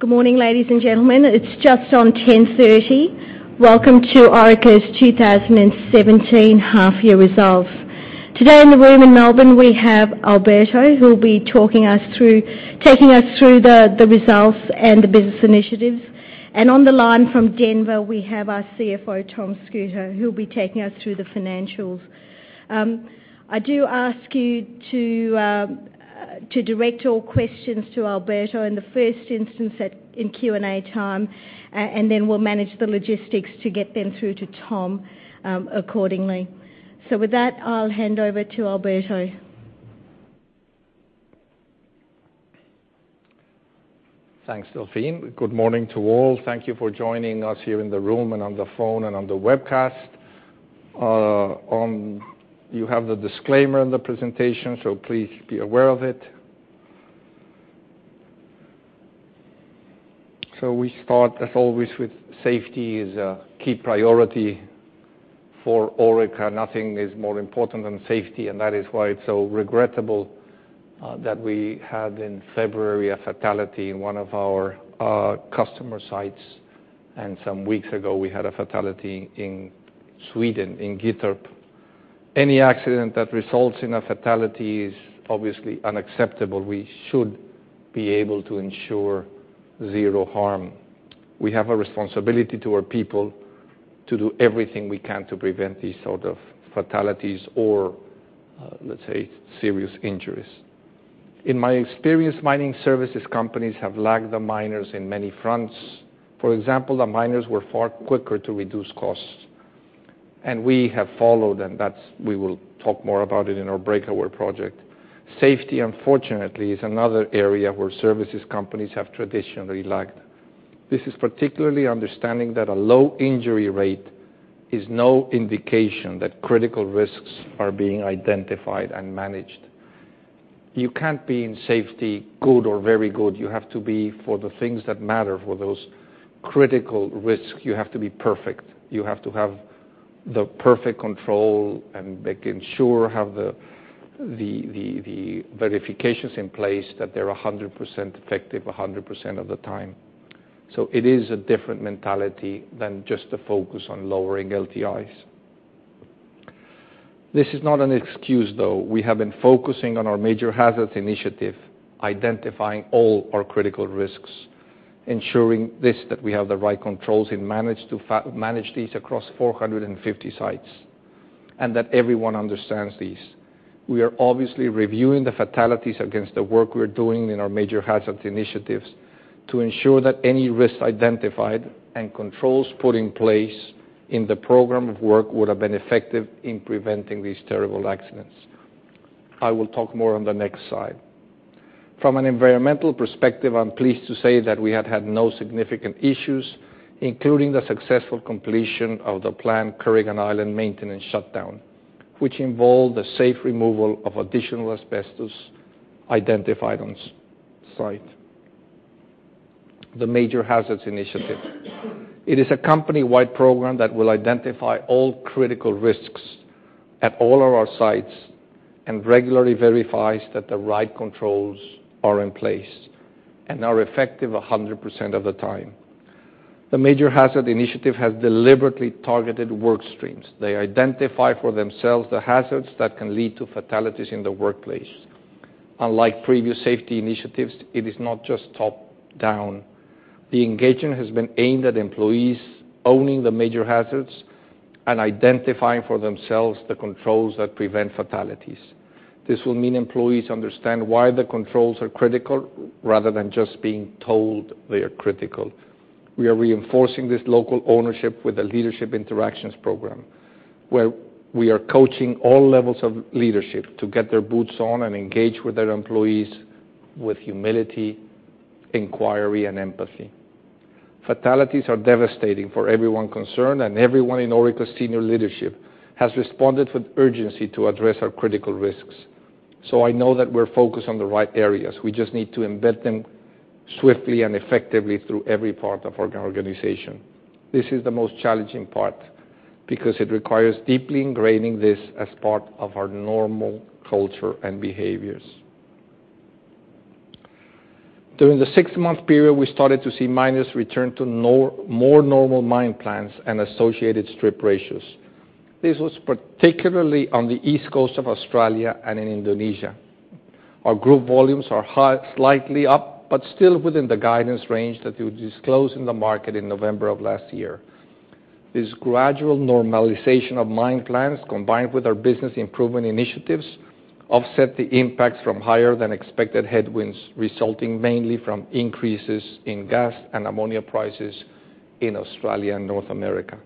Good morning, ladies and gentlemen. It's just on 10:30. Welcome to Orica's 2017 half-year results. Today in the room in Melbourne, we have Alberto, who will be taking us through the results and the business initiatives. On the line from Denver, we have our CFO, Tom Schutte, who will be taking us through the financials. I do ask you to direct all questions to Alberto in the first instance in Q&A time, and then we'll manage the logistics to get them through to Tom accordingly. With that, I'll hand over to Alberto. Thanks, Delphine. Good morning to all. Thank you for joining us here in the room and on the phone and on the webcast. You have the disclaimer on the presentation, so please be aware of it. We start, as always, with safety as a key priority for Orica. Nothing is more important than safety, and that is why it's so regrettable that we had in February a fatality in one of our customer sites, and some weeks ago we had a fatality in Sweden, in Gyttorp. Any accident that results in a fatality is obviously unacceptable. We should be able to ensure zero harm. We have a responsibility to our people to do everything we can to prevent these sort of fatalities or, let's say, serious injuries. In my experience, mining services companies have lagged the miners in many fronts. For example, the miners were far quicker to reduce costs. We have followed, and we will talk more about it in our break-away project. Safety, unfortunately, is another area where services companies have traditionally lagged. This is particularly understanding that a low injury rate is no indication that critical risks are being identified and managed. You can't be in safety good or very good. You have to be for the things that matter, for those critical risks, you have to be perfect. You have to have the perfect control and ensure have the verifications in place that they're 100% effective 100% of the time. It is a different mentality than just the focus on lowering LTIs. This is not an excuse, though. We have been focusing on our Major Hazards Initiative, identifying all our critical risks, ensuring this, that we have the right controls and manage these across 450 sites, and that everyone understands these. We are obviously reviewing the fatalities against the work we're doing in our Major Hazards Initiatives to ensure that any risks identified and controls put in place in the program of work would have been effective in preventing these terrible accidents. I will talk more on the next slide. From an environmental perspective, I'm pleased to say that we have had no significant issues, including the successful completion of the planned Kooragang Island maintenance shutdown, which involved the safe removal of additional asbestos identified on-site. The Major Hazards Initiative. It is a company-wide program that will identify all critical risks at all of our sites and regularly verifies that the right controls are in place and are effective 100% of the time. The Major Hazard Initiative has deliberately targeted work streams. They identify for themselves the hazards that can lead to fatalities in the workplace. Unlike previous safety initiatives, it is not just top-down. The engagement has been aimed at employees owning the Major Hazards and identifying for themselves the controls that prevent fatalities. This will mean employees understand why the controls are critical rather than just being told they are critical. We are reinforcing this local ownership with a Leadership Interactions Program, where we are coaching all levels of leadership to get their boots on and engage with their employees with humility, inquiry, and empathy. Fatalities are devastating for everyone concerned. Everyone in Orica senior leadership has responded with urgency to address our critical risks. I know that we're focused on the right areas. We just need to embed them swiftly and effectively through every part of our organization. This is the most challenging part because it requires deeply ingraining this as part of our normal culture and behaviors. During the six-month period, we started to see miners return to more normal mine plans and associated strip ratios. This was particularly on the East Coast of Australia and in Indonesia. Our group volumes are slightly up, still within the guidance range that we disclosed in the market in November of last year. This gradual normalization of mine plans, combined with our Business Improvement Initiatives, offset the impacts from higher than expected headwinds, resulting mainly from increases in gas and ammonia prices in Australia and North America.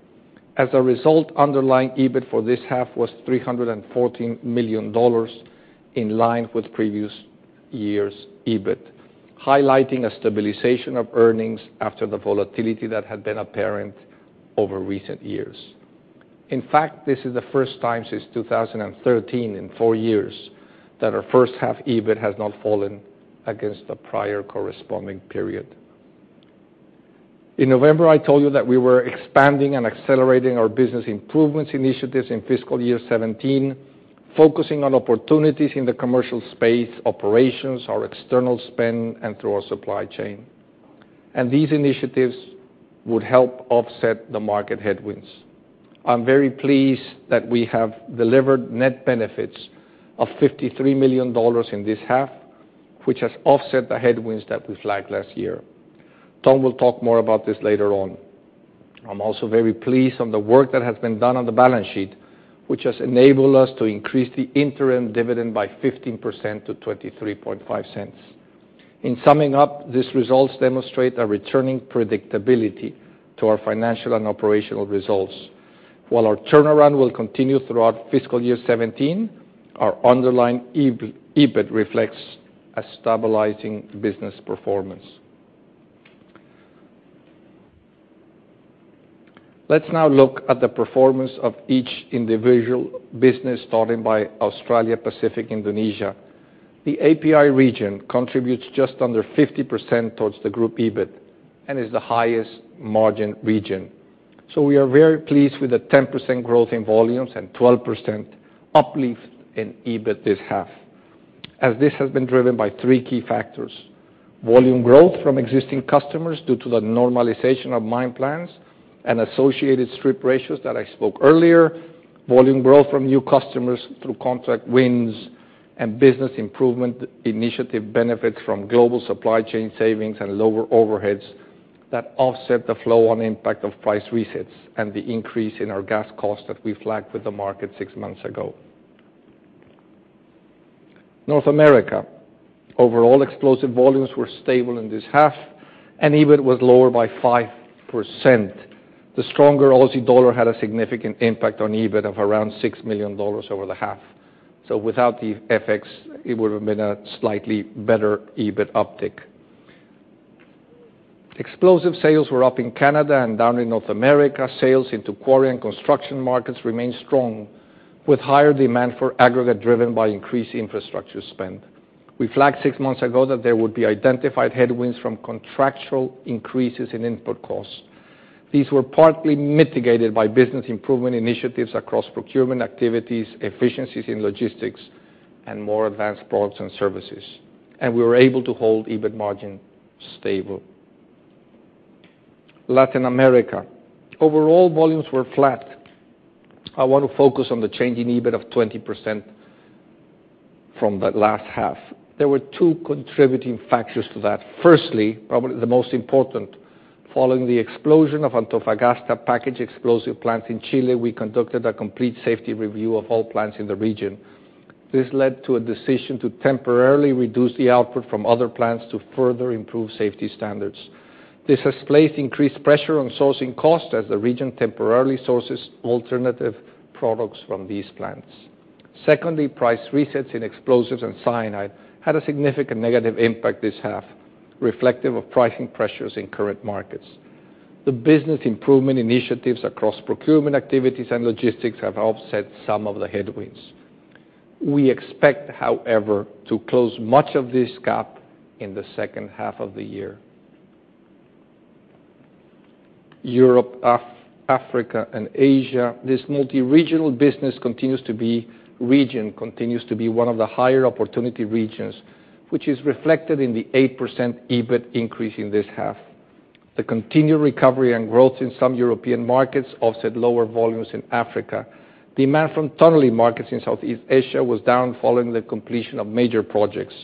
As a result, underlying EBIT for this half was 314 million dollars, in line with previous year's EBIT, highlighting a stabilization of earnings after the volatility that had been apparent over recent years. In fact, this is the first time since 2013, in four years, that our first half EBIT has not fallen against the prior corresponding period. In November, I told you that we were expanding and accelerating our Business Improvements Initiatives in FY 2017, focusing on opportunities in the commercial space operations, our external spend, and through our supply chain. These initiatives would help offset the market headwinds. I'm very pleased that we have delivered net benefits of 53 million dollars in this half, which has offset the headwinds that we flagged last year. Tom Schutte will talk more about this later on. I'm also very pleased on the work that has been done on the balance sheet, which has enabled us to increase the interim dividend by 15% to 0.235. In summing up, these results demonstrate a returning predictability to our financial and operational results. While our turnaround will continue throughout FY 2017, our underlying EBIT reflects a stabilizing business performance. Let's now look at the performance of each individual business, starting by Australia Pacific & Asia. The API region contributes just under 50% towards the group EBIT and is the highest margin region. We are very pleased with the 10% growth in volumes and 12% uplift in EBIT this half, as this has been driven by three key factors. Volume growth from existing customers due to the normalization of mine plans and associated strip ratios that I spoke earlier, volume growth from new customers through contract wins, and business improvement initiative benefits from global supply chain savings and lower overheads that offset the flow-on impact of price resets and the increase in our gas costs that we flagged with the market six months ago. North America. Overall explosive volumes were stable in this half, and EBIT was lower by 5%. The stronger Aussie dollar had a significant impact on EBIT of around 6 million dollars over the half. Without the FX, it would have been a slightly better EBIT uptick. Explosive sales were up in Canada and down in North America. Sales into quarry and construction markets remained strong, with higher demand for aggregate driven by increased infrastructure spend. We flagged six months ago that there would be identified headwinds from contractual increases in input costs. These were partly mitigated by business improvement initiatives across procurement activities, efficiencies in logistics, and more advanced products and services. We were able to hold EBIT margin stable. Latin America. Overall volumes were flat. I want to focus on the change in EBIT of 20% from the last half. There were two contributing factors to that. Firstly, probably the most important, following the explosion of Antofagasta packaged explosives plant in Chile, we conducted a complete safety review of all plants in the region. This led to a decision to temporarily reduce the output from other plants to further improve safety standards. This has placed increased pressure on sourcing costs as the region temporarily sources alternative products from these plants. Secondly, price resets in explosives and cyanide had a significant negative impact this half, reflective of pricing pressures in current markets. The business improvement initiatives across procurement activities and logistics have offset some of the headwinds. We expect, however, to close much of this gap in the second half of the year. Europe, Africa, and Asia. This multi-regional business region continues to be one of the higher opportunity regions, which is reflected in the 8% EBIT increase in this half. The continued recovery and growth in some European markets offset lower volumes in Africa. Demand from tunneling markets in Southeast Asia was down following the completion of major projects.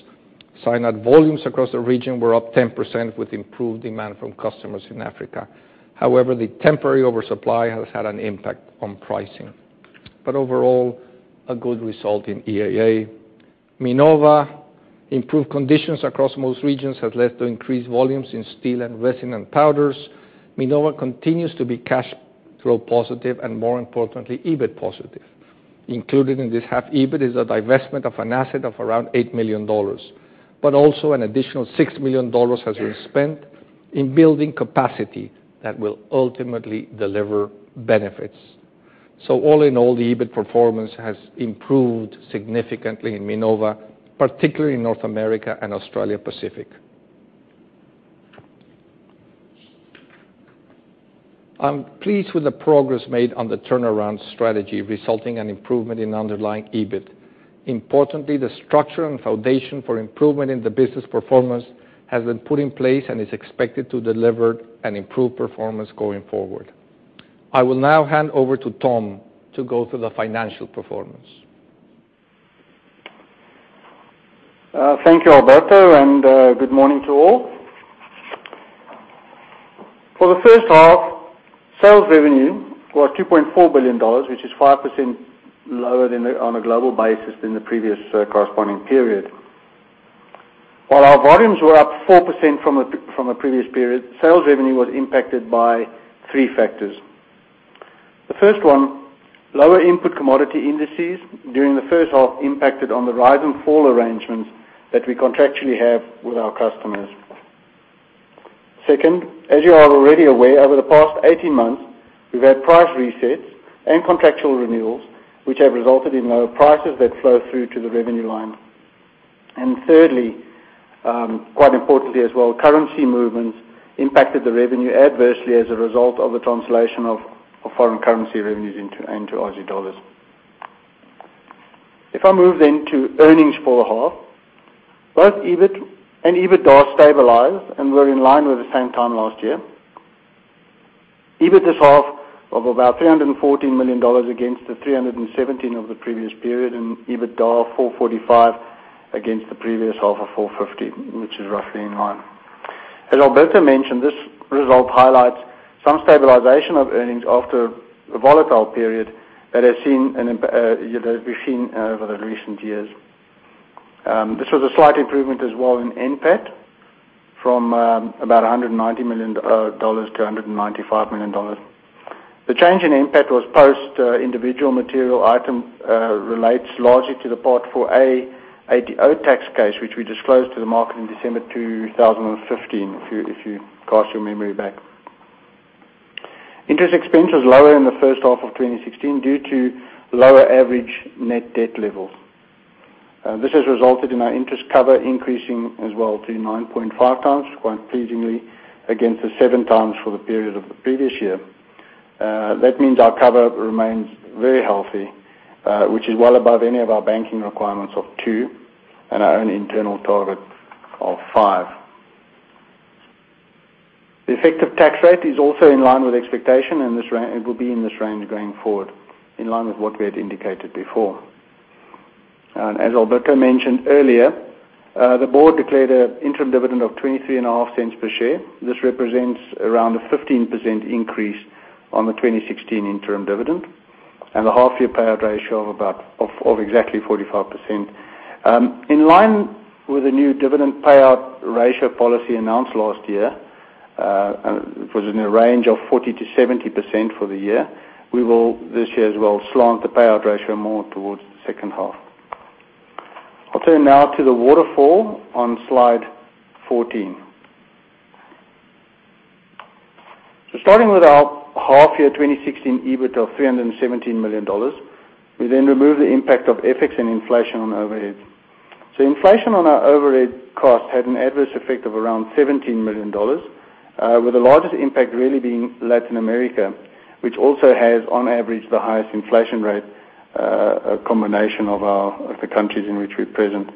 Cyanide volumes across the region were up 10% with improved demand from customers in Africa. The temporary oversupply has had an impact on pricing. Overall, a good result in EAA. Minova. Improved conditions across most regions have led to increased volumes in steel and resin and powders. Minova continues to be cash flow positive and, more importantly, EBIT positive. Included in this half EBIT is a divestment of an asset of around 8 million dollars. Also an additional 6 million dollars has been spent in building capacity that will ultimately deliver benefits. All in all, the EBIT performance has improved significantly in Minova, particularly in North America and Australia Pacific. I'm pleased with the progress made on the turnaround strategy, resulting in improvement in underlying EBIT. Importantly, the structure and foundation for improvement in the business performance has been put in place and is expected to deliver an improved performance going forward. I will now hand over to Tom to go through the financial performance. Thank you, Alberto, and good morning to all. For the first half, sales revenue was 2.4 billion dollars, which is 5% lower on a global basis than the previous corresponding period. While our volumes were up 4% from the previous period, sales revenue was impacted by three factors. The first one, lower input commodity indices during the first half impacted on the rise and fall arrangements that we contractually have with our customers. Second, as you are already aware, over the past 18 months, we've had price resets and contractual renewals, which have resulted in lower prices that flow through to the revenue line. Thirdly, quite importantly as well, currency movements impacted the revenue adversely as a result of the translation of foreign currency revenues into AUD. If I move then to earnings for the half, both EBIT and EBITDA stabilized and were in line with the same time last year. EBIT this half of about 314 million dollars against the 317 million of the previous period, and EBITDA of 445 million against the previous half of 450 million, which is roughly in line. As Alberto mentioned, this result highlights some stabilization of earnings after a volatile period that has been seen over the recent years. This was a slight improvement as well in NPAT from about 190 million dollars to 195 million dollars. The change in NPAT was post individual material item, relates largely to the Part IVA ATO tax case, which we disclosed to the market in December 2015, if you cast your memory back. Interest expense was lower in the first half of 2016 due to lower average net debt levels. This has resulted in our interest cover increasing as well to 9.5 times, quite pleasingly, against the seven times for the period of the previous year. That means our cover remains very healthy, which is well above any of our banking requirements of two and our own internal target of five. The effective tax rate is also in line with expectation, and it will be in this range going forward, in line with what we had indicated before. As Alberto mentioned earlier, the board declared an interim dividend of 0.235 per share. This represents around a 15% increase on the 2016 interim dividend and a half-year payout ratio of exactly 45%. In line with the new dividend payout ratio policy announced last year, it was in a range of 40%-70% for the year. We will this year as well slant the payout ratio more towards the second half. I'll turn now to the waterfall on slide 14. Starting with our half year 2016 EBIT of AUD 317 million, we then remove the impact of FX and inflation on overheads. Inflation on our overhead costs had an adverse effect of around 17 million dollars, with the largest impact really being Latin America, which also has on average, the highest inflation rate, a combination of the countries in which we're present.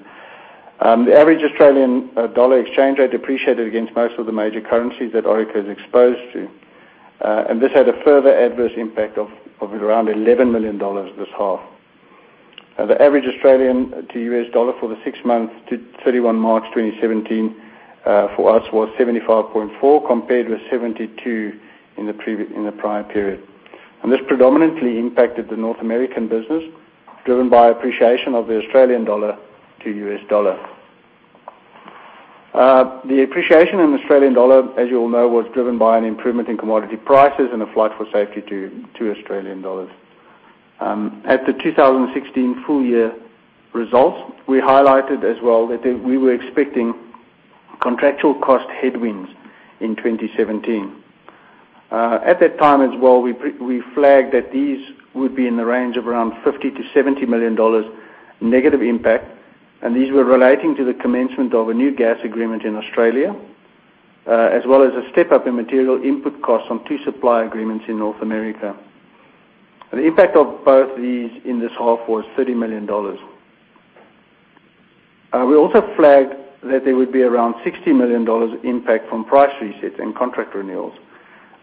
The average Australian dollar exchange rate appreciated against most of the major currencies that Orica is exposed to. This had a further adverse impact of around 11 million dollars this half. The average Australian to US dollar for the six months to 31 March 2017, for us, was 75.4, compared with 72 in the prior period. This predominantly impacted the North American business, driven by appreciation of the Australian dollar to U.S. dollar. The appreciation in the Australian dollar, as you all know, was driven by an improvement in commodity prices and a flight for safety to Australian dollars. At the 2016 full-year results, we highlighted as well that we were expecting contractual cost headwinds in 2017. At that time as well, we flagged that these would be in the range of around 50 million-70 million dollars negative impact, and these were relating to the commencement of a new gas agreement in Australia, as well as a step-up in material input costs on two supply agreements in North America. The impact of both these in this half was 30 million dollars. We also flagged that there would be around 60 million dollars impact from price resets and contract renewals,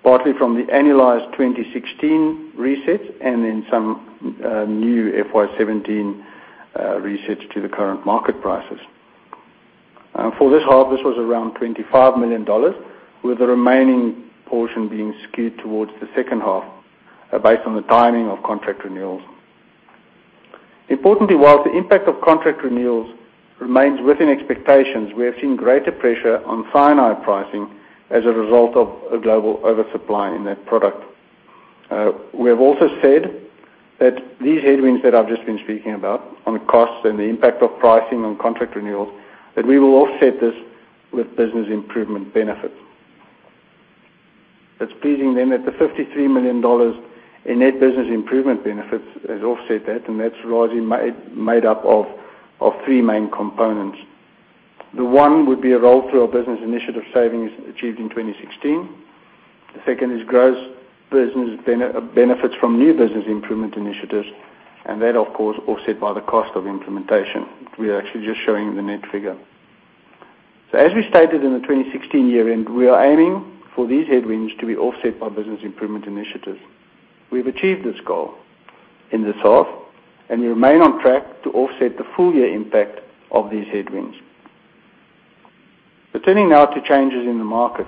partly from the annualized 2016 resets and in some new FY 2017 resets to the current market prices. For this half, this was around 25 million dollars, with the remaining portion being skewed towards the second half based on the timing of contract renewals. Importantly, whilst the impact of contract renewals remains within expectations, we have seen greater pressure on cyanide pricing as a result of a global oversupply in that product. We have also said that these headwinds that I've just been speaking about on the costs and the impact of pricing on contract renewals, that we will offset this with business improvement benefits. It's pleasing that the 53 million dollars in net business improvement benefits has offset that, and that's largely made up of three main components. The one would be a roll-through of business initiative savings achieved in 2016. The second is gross business benefits from new business improvement initiatives, and that, of course, offset by the cost of implementation. We are actually just showing the net figure. As we stated in the 2016 year-end, we are aiming for these headwinds to be offset by business improvement initiatives. We've achieved this goal in this half, and we remain on track to offset the full-year impact of these headwinds. Turning now to changes in the market.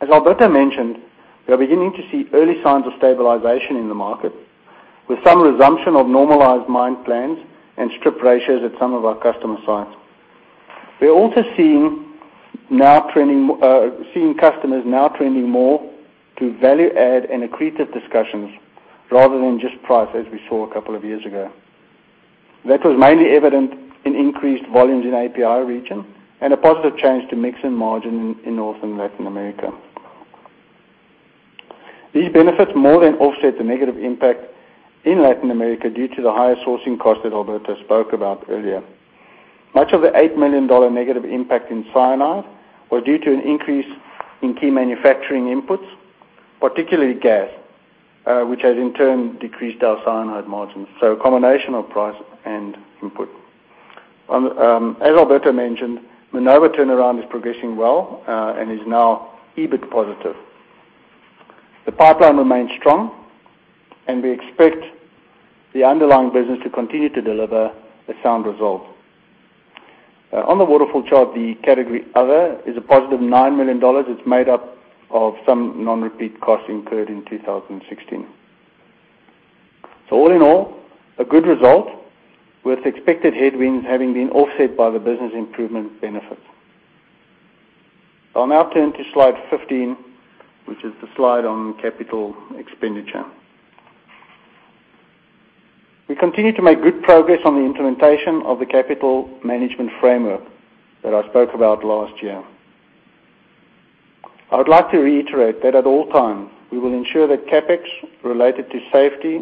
As Alberto mentioned, we are beginning to see early signs of stabilization in the market, with some resumption of normalized mine plans and strip ratios at some of our customer sites. We are also seeing customers now trending more to value add and accretive discussions rather than just price, as we saw a couple of years ago. That was mainly evident in increased volumes in the API region and a positive change to mix and margin in North and Latin America. These benefits more than offset the negative impact in Latin America due to the higher sourcing costs that Alberto spoke about earlier. Much of the 8 million dollar negative impact in cyanide were due to an increase in key manufacturing inputs, particularly gas, which has in turn decreased our cyanide margins. A combination of price and input. As Alberto mentioned, Minova turnaround is progressing well and is now EBIT positive. The pipeline remains strong, and we expect the underlying business to continue to deliver a sound result. On the waterfall chart, the category Other is a positive 9 million dollars. It is made up of some non-repeat costs incurred in 2016. All in all, a good result, with expected headwinds having been offset by the business improvement benefits. I will now turn to slide 15, which is the slide on capital expenditure. We continue to make good progress on the implementation of the capital management framework that I spoke about last year. I would like to reiterate that at all times, we will ensure that CapEx related to safety,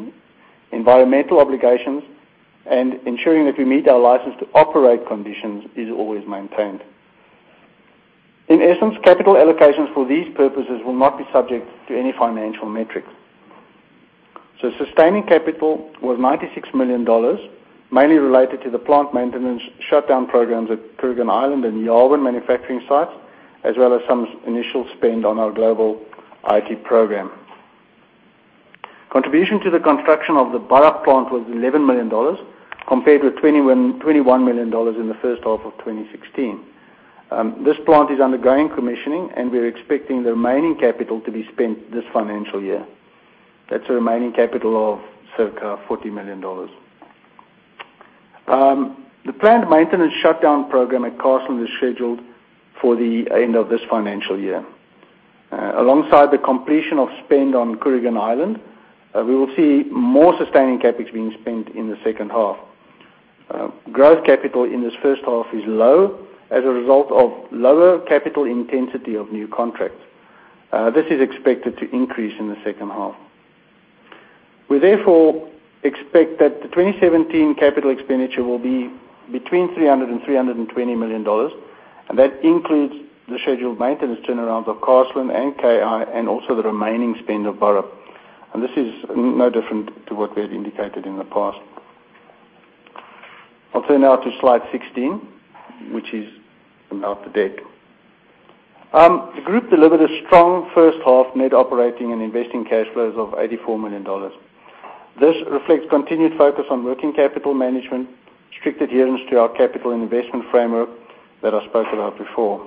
environmental obligations, and ensuring that we meet our license to operate conditions is always maintained. In essence, capital allocations for these purposes will not be subject to any financial metrics. Sustaining capital was 96 million dollars, mainly related to the plant maintenance shutdown programs at Kooragang Island and Yarwun manufacturing sites, as well as some initial spend on our global IT program. Contribution to the construction of the Burrup plant was 11 million dollars, compared with 21 million dollars in the first half of 2016. This plant is undergoing commissioning, and we are expecting the remaining capital to be spent this financial year. That is a remaining capital of circa 40 million dollars. The planned maintenance shutdown program at Carseland is scheduled for the end of this financial year. Alongside the completion of spend on Kooragang Island, we will see more sustaining CapEx being spent in the second half. Growth capital in this first half is low as a result of lower capital intensity of new contracts. This is expected to increase in the second half. We therefore expect that the 2017 capital expenditure will be between 300 million-320 million dollars, and that includes the scheduled maintenance turnaround of Carseland and KI, and also the remaining spend of Burrup. This is no different to what we had indicated in the past. I will turn now to slide 16, which is about the debt. The group delivered a strong first-half net operating and investing cash flows of 84 million dollars. This reflects continued focus on working capital management, strict adherence to our capital investment framework that I spoke about before.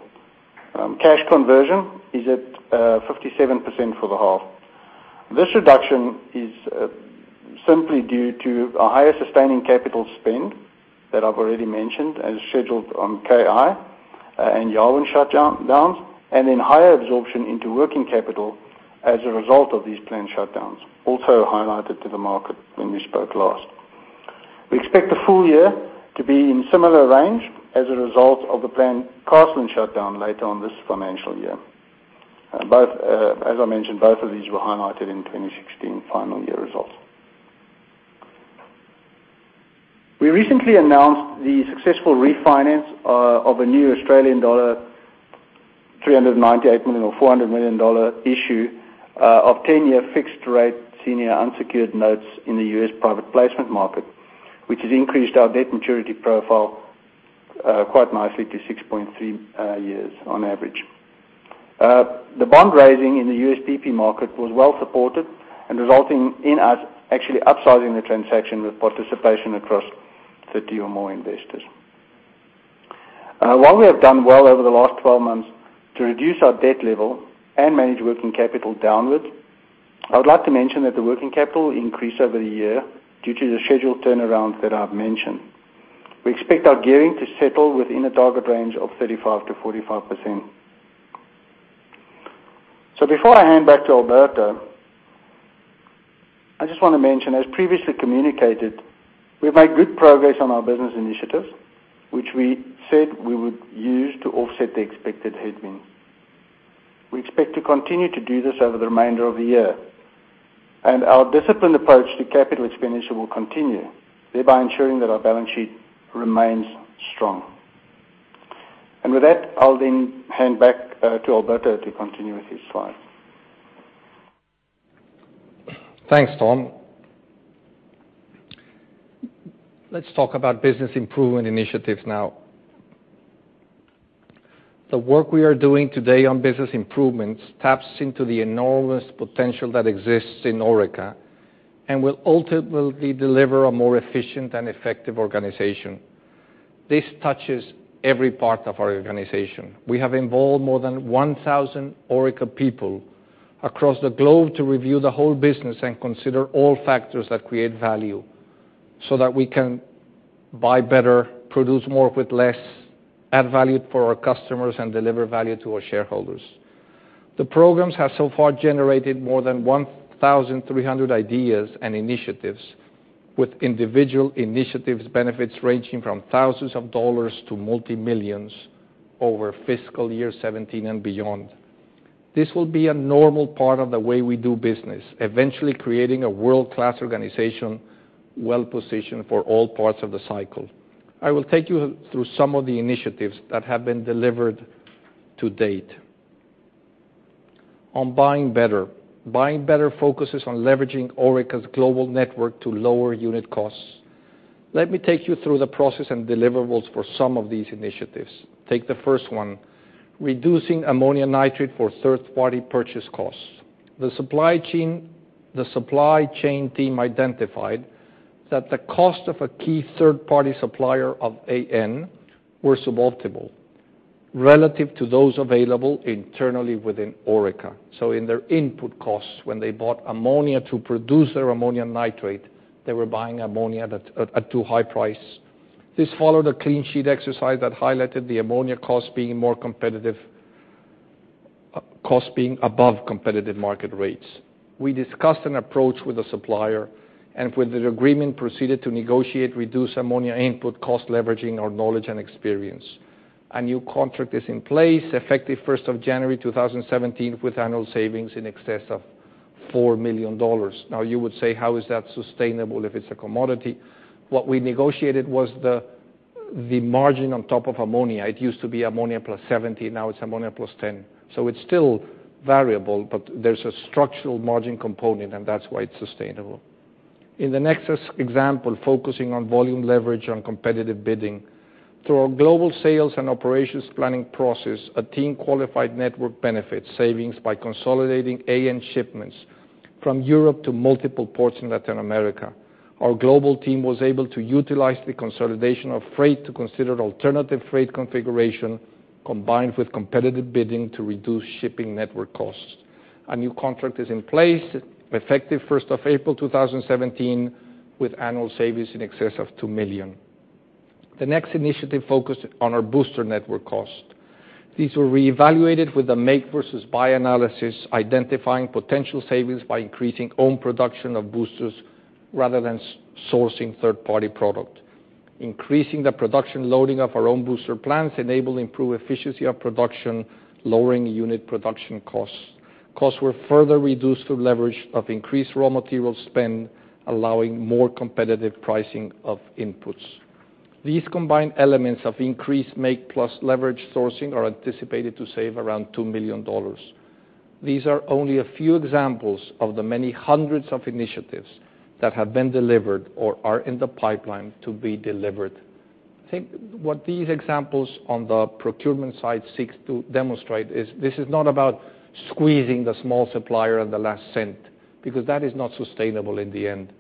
Cash conversion is at 57% for the half. This reduction is simply due to a higher sustaining capital spend that I have already mentioned as scheduled on KI and Yarwun shutdowns, and then higher absorption into working capital as a result of these planned shutdowns, also highlighted to the market when we spoke last. We expect the full year to be in similar range as a result of the planned Carseland shutdown later on this financial year. As I mentioned, both of these were highlighted in 2016 final year results. We recently announced the successful refinance of a new Australian dollar 398 million or 400 million dollar issue of 10-year fixed rate senior unsecured notes in the U.S. private placement market, which has increased our debt maturity profile quite nicely to 6.3 years on average. The bond raising in the USPP market was well supported and resulting in us actually upsizing the transaction with participation across 30 or more investors. While we have done well over the last 12 months to reduce our debt level and manage working capital downwards, I would like to mention that the working capital increase over the year due to the scheduled turnarounds that I've mentioned. We expect our gearing to settle within a target range of 35%-45%. Before I hand back to Alberto, I just want to mention, as previously communicated, we've made good progress on our business initiatives, which we said we would use to offset the expected headwinds. We expect to continue to do this over the remainder of the year, and our disciplined approach to capital expenditure will continue, thereby ensuring that our balance sheet remains strong. With that, I'll then hand back to Alberto to continue with his slides. Thanks, Tom. Let's talk about business improvement initiatives now. The work we are doing today on business improvements taps into the enormous potential that exists in Orica and will ultimately deliver a more efficient and effective organization. This touches every part of our organization. We have involved more than 1,000 Orica people across the globe to review the whole business and consider all factors that create value so that we can buy better, produce more with less, add value for our customers, and deliver value to our shareholders. The programs have so far generated more than 1,300 ideas and initiatives. With individual initiatives benefits ranging from thousands of dollars to multi-millions over fiscal year 2017 and beyond. This will be a normal part of the way we do business, eventually creating a world-class organization well-positioned for all parts of the cycle. On buying better. Buying better focuses on leveraging Orica's global network to lower unit costs. Let me take you through the process and deliverables for some of these initiatives. Take the first one, reducing ammonium nitrate for third-party purchase costs. The supply chain team identified that the cost of a key third-party supplier of AN were suboptimal relative to those available internally within Orica. So in their input costs, when they bought ammonia to produce their ammonium nitrate, they were buying ammonia at too high price. This followed a clean sheet exercise that highlighted the ammonia cost being above competitive market rates. We discussed an approach with the supplier, and with the agreement proceeded to negotiate reduced ammonia input cost leveraging our knowledge and experience. A new contract is in place effective 1st of January 2017 with annual savings in excess of 4 million dollars. You would say, how is that sustainable if it's a commodity? What we negotiated was the margin on top of ammonia. It used to be ammonia plus 17, now it's ammonia plus 10. It's still variable, but there's a structural margin component, that's why it's sustainable. In the next example, focusing on volume leverage on competitive bidding. Through our global sales and operations planning process, a team qualified network benefit savings by consolidating AN shipments from Europe to multiple ports in Latin America. Our global team was able to utilize the consolidation of freight to consider alternative freight configuration, combined with competitive bidding to reduce shipping network costs. A new contract is in place effective 1st of April 2017 with annual savings in excess of 2 million. The next initiative focused on our booster network cost. These were reevaluated with a make versus buy analysis, identifying potential savings by increasing own production of boosters rather than sourcing third-party product. Increasing the production loading of our own booster plants enable improved efficiency of production, lowering unit production costs. Costs were further reduced through leverage of increased raw material spend, allowing more competitive pricing of inputs. These combined elements of increased make plus leverage sourcing are anticipated to save around 2 million dollars. These are only a few examples of the many hundreds of initiatives that have been delivered or are in the pipeline to be delivered. I think what these examples on the procurement side seeks to demonstrate is this is not about squeezing the small supplier on the last cent, because that is not sustainable in the end.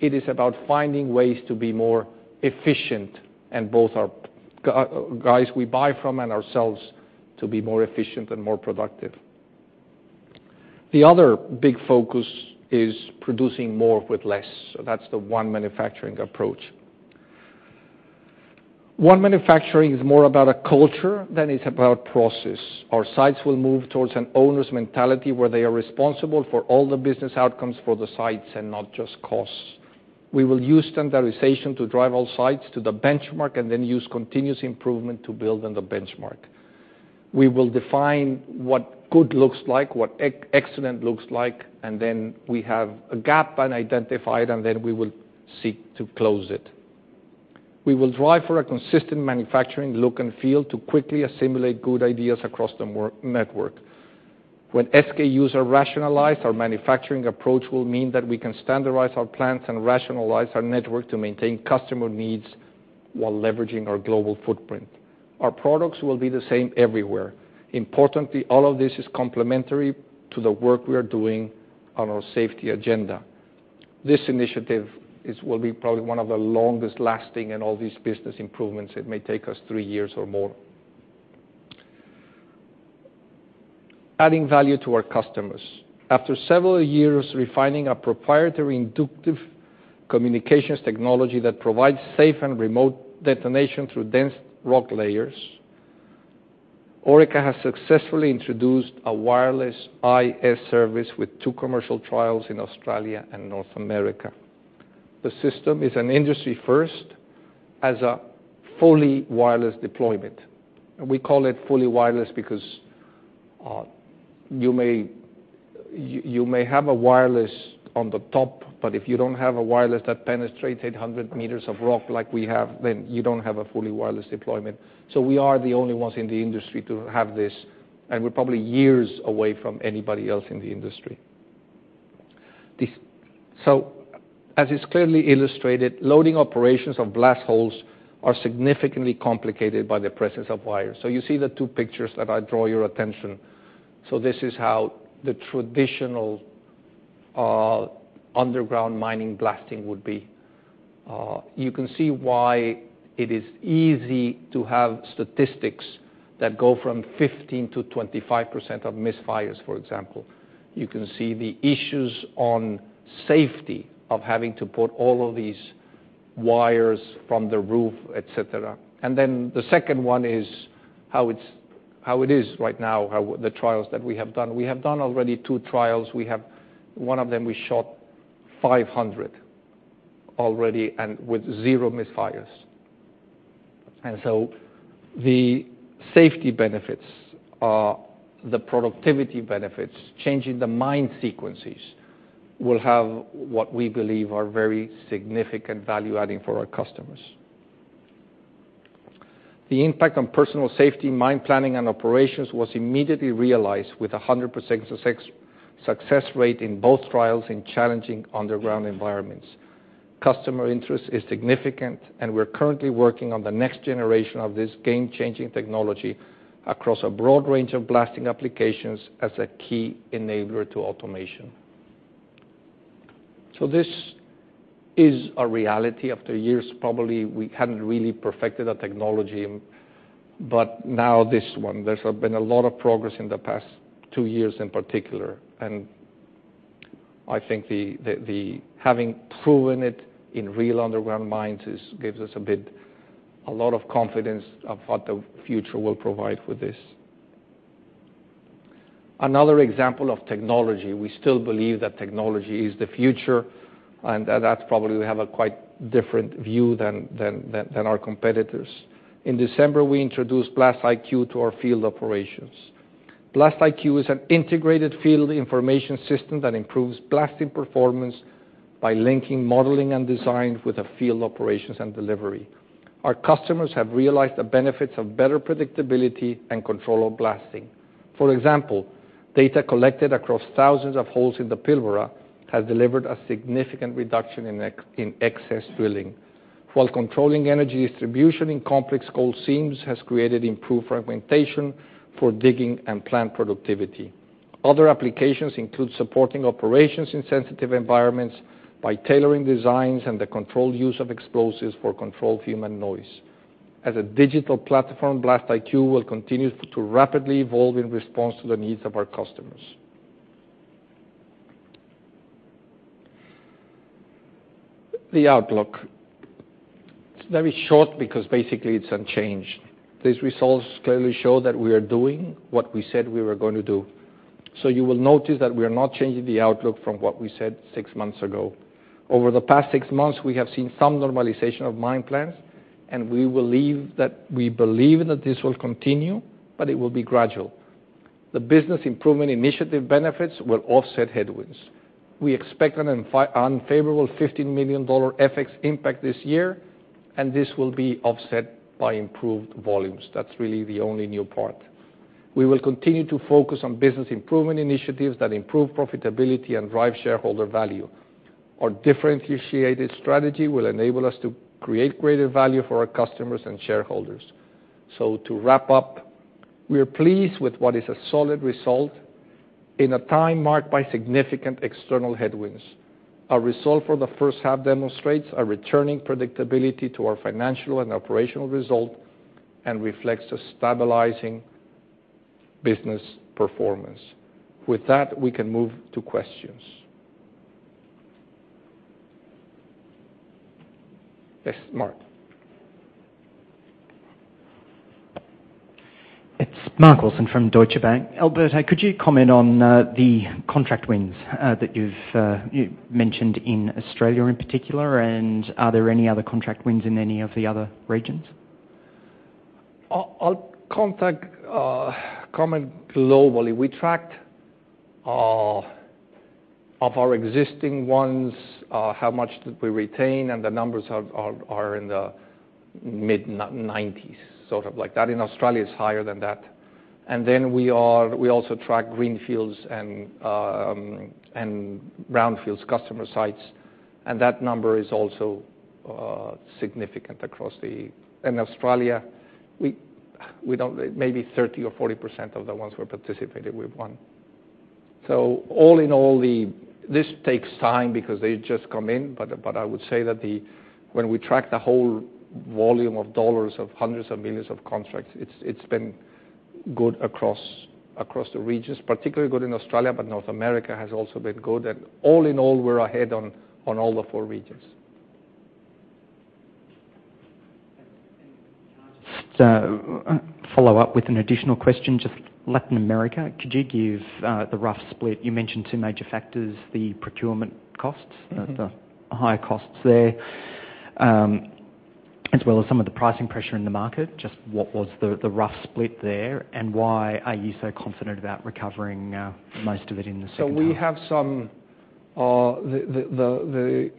It is about finding ways to be more efficient, both our guys we buy from and ourselves to be more efficient and more productive. The other big focus is producing more with less. That's the one manufacturing approach. One manufacturing is more about a culture than it's about process. Our sites will move towards an owner's mentality where they are responsible for all the business outcomes for the sites and not just costs. We will use standardization to drive all sites to the benchmark then use continuous improvement to build on the benchmark. We will define what good looks like, what excellent looks like, then we have a gap and identify it, then we will seek to close it. We will drive for a consistent manufacturing look and feel to quickly assimilate good ideas across the network. When SKUs are rationalized, our manufacturing approach will mean that we can standardize our plants and rationalize our network to maintain customer needs while leveraging our global footprint. Our products will be the same everywhere. Importantly, all of this is complementary to the work we are doing on our safety agenda. This initiative will be probably one of the longest lasting in all these business improvements. It may take us three years or more. Adding value to our customers. After several years refining a proprietary inductive communications technology that provides safe and remote detonation through dense rock layers, Orica has successfully introduced a wireless IS service with two commercial trials in Australia and North America. The system is an industry first as a fully wireless deployment. We call it fully wireless because you may have a wireless on the top, but if you don't have a wireless that penetrates 800 meters of rock like we have, then you don't have a fully wireless deployment. We are the only ones in the industry to have this, and we're probably years away from anybody else in the industry. As is clearly illustrated, loading operations of blast holes are significantly complicated by the presence of wires. You see the two pictures that I draw your attention. This is how the traditional underground mining blasting would be. You can see why it is easy to have statistics that go from 15% to 25% of misfires, for example. You can see the issues on safety of having to put all of these wires from the roof, et cetera. The second one is how it is right now, the trials that we have done. We have done already two trials. One of them, we shot 500 already and with zero misfires. The safety benefits are the productivity benefits. Changing the mine sequences will have what we believe are very significant value-adding for our customers. The impact on personal safety, mine planning, and operations was immediately realized with 100% success rate in both trials in challenging underground environments. Customer interest is significant, and we're currently working on the next generation of this game-changing technology across a broad range of blasting applications as a key enabler to automation. This is a reality. After years, probably, we hadn't really perfected a technology, but now this one. There's been a lot of progress in the past two years, in particular, I think having proven it in real underground mines gives us a lot of confidence of what the future will provide for this. Another example of technology, we still believe that technology is the future, that's probably we have a quite different view than our competitors. In December, we introduced BlastIQ to our field operations. BlastIQ is an integrated field information system that improves blasting performance by linking modeling and design with the field operations and delivery. Our customers have realized the benefits of better predictability and control of blasting. For example, data collected across thousands of holes in the Pilbara has delivered a significant reduction in excess drilling. While controlling energy distribution in complex coal seams has created improved fragmentation for digging and plant productivity. Other applications include supporting operations in sensitive environments by tailoring designs and the controlled use of explosives for controlled human noise. As a digital platform, BlastIQ will continue to rapidly evolve in response to the needs of our customers. The outlook. It's very short because basically it's unchanged. These results clearly show that we are doing what we said we were going to do. You will notice that we are not changing the outlook from what we said six months ago. Over the past six months, we have seen some normalization of mine plans, we believe that this will continue, but it will be gradual. The business improvement initiative benefits will offset headwinds. We expect an unfavorable 15 million dollar FX impact this year, this will be offset by improved volumes. That's really the only new part. We will continue to focus on business improvement initiatives that improve profitability and drive shareholder value. Our differentiated strategy will enable us to create greater value for our customers and shareholders. To wrap up, we are pleased with what is a solid result in a time marked by significant external headwinds. Our result for the first half demonstrates a returning predictability to our financial and operational result and reflects a stabilizing business performance. With that, we can move to questions. Yes, Mark. It's Mark Wilson from Deutsche Bank. Alberto, could you comment on the contract wins that you've mentioned in Australia in particular? Are there any other contract wins in any of the other regions? I'll comment globally. We tracked of our existing ones, how much did we retain. The numbers are in the mid-90s, sort of like that. In Australia, it's higher than that. Then we also track greenfields and brownfields customer sites, and that number is also significant. In Australia, maybe 30% or 40% of the ones who participated, we've won. All in all, this takes time because they just come in, but I would say that when we track the whole volume of AUD, of AUD hundreds of millions of contracts, it's been good across the regions, particularly good in Australia, but North America has also been good, and all in all, we're ahead on all the four regions. Can I just follow up with an additional question, just Latin America, could you give the rough split? You mentioned two major factors, the procurement costs- What was the rough split there, and why are you so confident about recovering most of it in the second half? The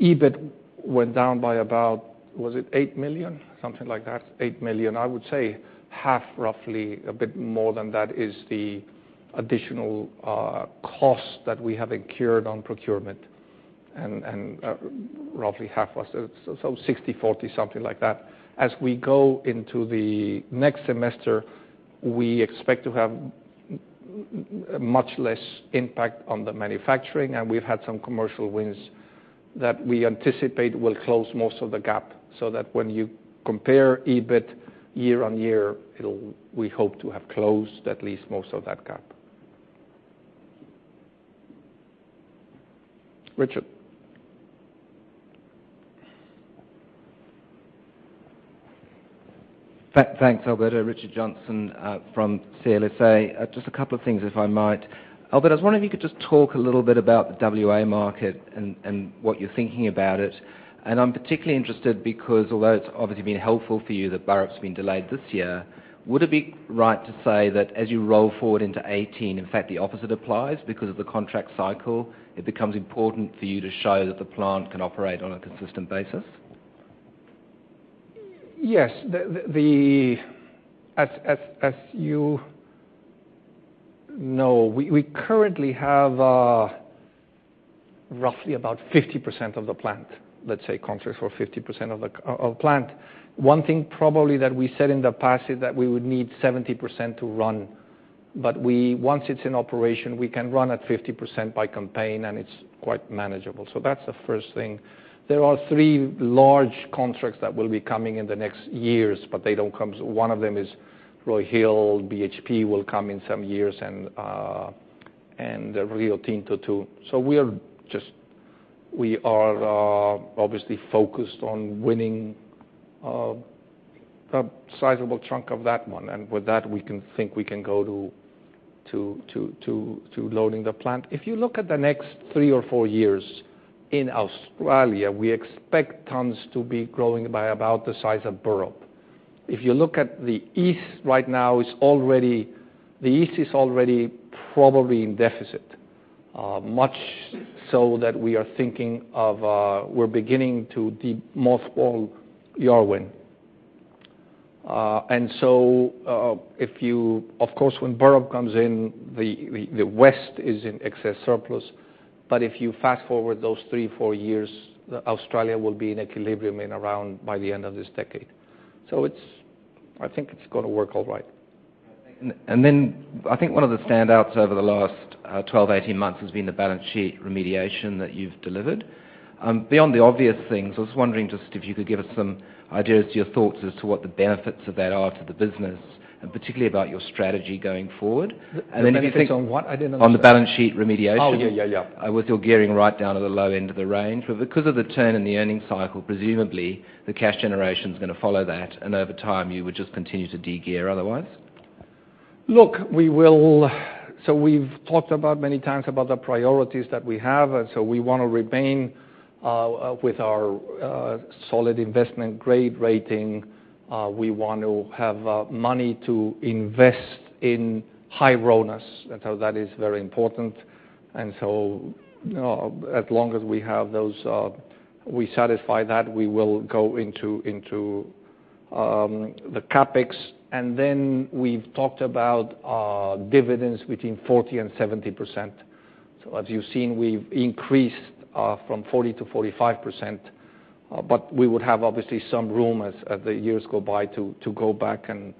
EBIT went down by about, was it 8 million? Something like that. 8 million. I would say half, roughly, a bit more than that is the additional cost that we have incurred on procurement, and roughly half was. 60/40, something like that. As we go into the next semester, we expect to have much less impact on the manufacturing, and we've had some commercial wins that we anticipate will close most of the gap, so that when you compare EBIT year-on-year, we hope to have closed at least most of that gap. Richard? Thanks, Alberto. Richard Johnson from CLSA. A couple of things, if I might. Alberto, I was wondering if you could just talk a little bit about the WA market and what you're thinking about it. I'm particularly interested because although it's obviously been helpful for you that Burrup's been delayed this year, would it be right to say that as you roll forward into 2018, in fact, the opposite applies because of the contract cycle, it becomes important for you to show that the plant can operate on a consistent basis? Yes. As you know, we currently have roughly about 50% of the plant, let's say contracts for 50% of plant. One thing probably that we said in the past is that we would need 70% to run. Once it's in operation, we can run at 50% by campaign, and it's quite manageable. That's the first thing. There are three large contracts that will be coming in the next years, they don't come. One of them is Roy Hill, BHP will come in some years and Rio Tinto, too. We are obviously focused on winning a sizable chunk of that one. With that, we think we can go to loading the plant. If you look at the next three or four years in Australia, we expect tons to be growing by about the size of Burrup. If you look at the east right now, the east is already probably in deficit, much so that we are beginning to demothball Yarwun. Of course, when Burrup comes in, the west is in excess surplus. If you fast-forward those three, four years, Australia will be in equilibrium in around by the end of this decade. I think it is going to work all right. I think one of the standouts over the last 12, 18 months has been the balance sheet remediation that you have delivered. Beyond the obvious things, I was wondering just if you could give us some ideas to your thoughts as to what the benefits of that are to the business, and particularly about your strategy going forward. The benefits on what? I did not understand. On the balance sheet remediation. Oh, yeah. With your gearing right down to the low end of the range. Because of the turn in the earnings cycle, presumably, the cash generation is going to follow that, and over time, you would just continue to de-gear otherwise. We've talked about many times about the priorities that we have. We want to remain with our solid investment grade rating. We want to have money to invest in high RONAS, and so that is very important. As long as we satisfy that, we will go into the CapEx. We've talked about dividends between 40% and 70%. As you've seen, we've increased from 40% to 45%, but we would have obviously some room as the years go by to go back and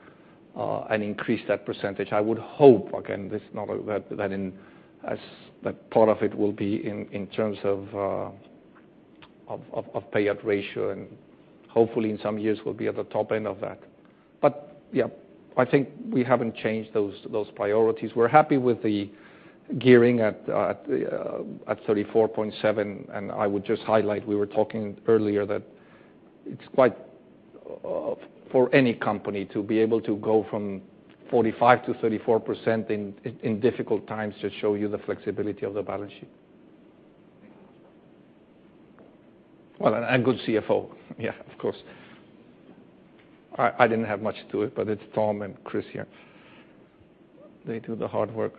increase that percentage. I would hope, again, that part of it will be in terms of payout ratio, and hopefully in some years we'll be at the top end of that. Yeah, I think we haven't changed those priorities. We're happy with the gearing at 34.7%. I would just highlight, we were talking earlier that it's for any company to be able to go from 45% to 34% in difficult times just show you the flexibility of the balance sheet. Well, and a good CFO. Yeah, of course. I didn't have much to it, but it's Tom and Chris here. They do the hard work.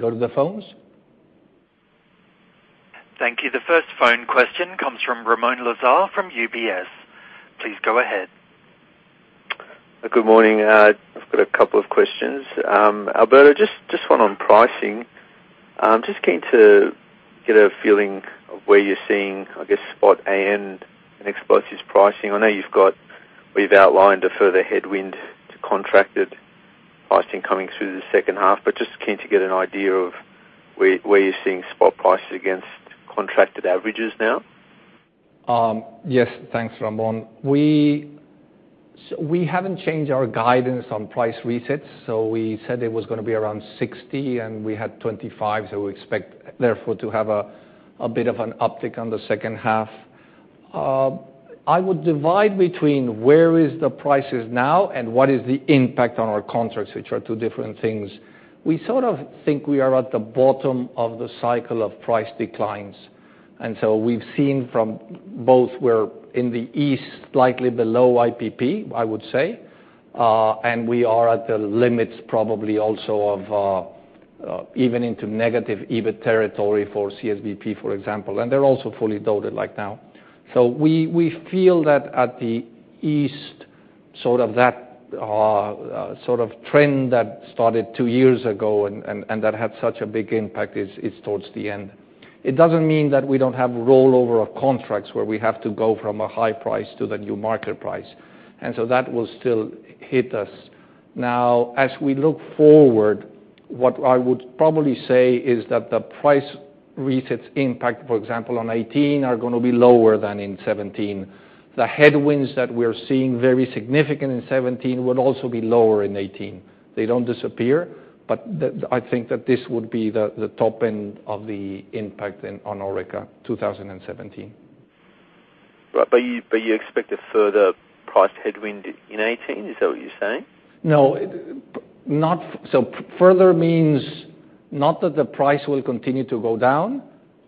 Go to the phones? Thank you. The first phone question comes from Ramoun Lazar from UBS. Please go ahead. Good morning. I've got a couple of questions. Alberto, just one on pricing. Just keen to get a feeling of where you're seeing, I guess, spot and explosives pricing. I know you've outlined a further headwind to contracted pricing coming through the second half, just keen to get an idea of where you're seeing spot prices against contracted averages now. Yes. Thanks, Ramoun. We haven't changed our guidance on price resets. We said it was going to be around 60, and we had 25, we expect therefore to have a bit of an uptick on the second half. I would divide between where is the prices now and what is the impact on our contracts, which are two different things. We sort of think we are at the bottom of the cycle of price declines. We've seen from both we're in the east, slightly below IPP, I would say, and we are at the limits probably also of even into negative EBIT territory for CSBP, for example. They're also fully loaded like now. We feel that at the east, sort of trend that started two years ago and that had such a big impact is towards the end. It doesn't mean that we don't have rollover of contracts where we have to go from a high price to the new market price. That will still hit us. What I would probably say is that the price resets impact, for example, on 2018 are going to be lower than in 2017. The headwinds that we're seeing, very significant in 2017, would also be lower in 2018. They don't disappear, but I think that this would be the top end of the impact on Orica 2017. Right. You expect a further price headwind in 2018? Is that what you're saying? No. Further means not that the price will continue to go down,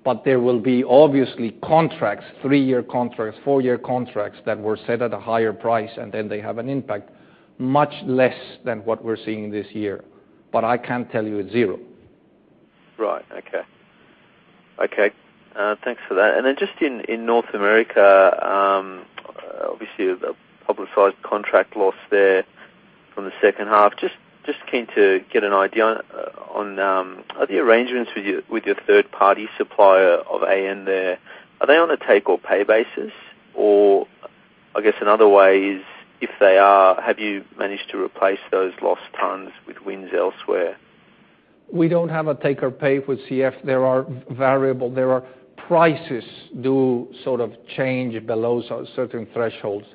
but there will be obviously contracts, three-year contracts, four-year contracts, that were set at a higher price, and then they have an impact, much less than what we're seeing this year, but I can't tell you it's zero. Right. Okay. Thanks for that. Just in North America, obviously, the publicized contract loss there from the second half. Just keen to get an idea on, are the arrangements with your third-party supplier of AN there, are they on a take or pay basis? Or I guess another way is, if they are, have you managed to replace those lost tons with wins elsewhere? We don't have a take or pay with CF. There are variable. Prices do sort of change below certain thresholds.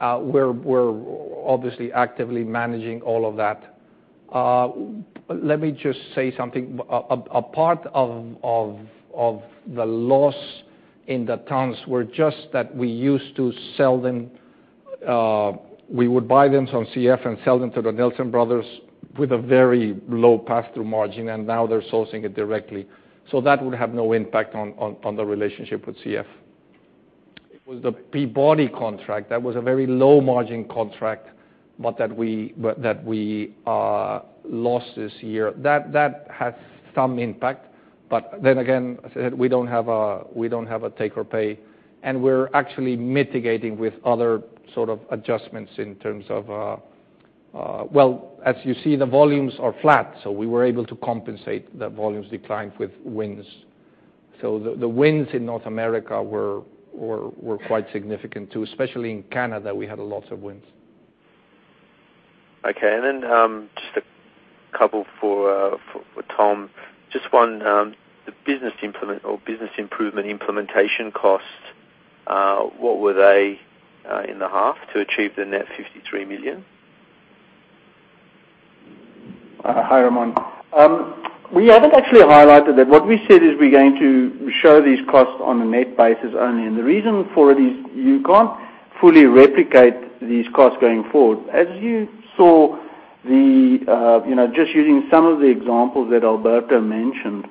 We're obviously actively managing all of that. Let me just say something. A part of the loss in the tons were just that we used to sell them. We would buy them from CF and sell them to the Nelson Brothers with a very low pass-through margin, and now they're sourcing it directly. That would have no impact on the relationship with CF. It was the Peabody contract, that was a very low-margin contract that we lost this year. That had some impact, again, as I said, we don't have a take or pay, and we're actually mitigating with other sort of adjustments in terms of Well, as you see, the volumes are flat, we were able to compensate the volumes decline with wins. the wins in North America were quite significant too, especially in Canada, we had a lot of wins. Okay. Then just a couple for Tom. Just one, the business improvement implementation costs, what were they in the half to achieve the net 53 million? Hi, Ramoun. We haven't actually highlighted that. What we said is we're going to show these costs on a net basis only, the reason for it is you can't fully replicate these costs going forward. As you saw, just using some of the examples that Alberto mentioned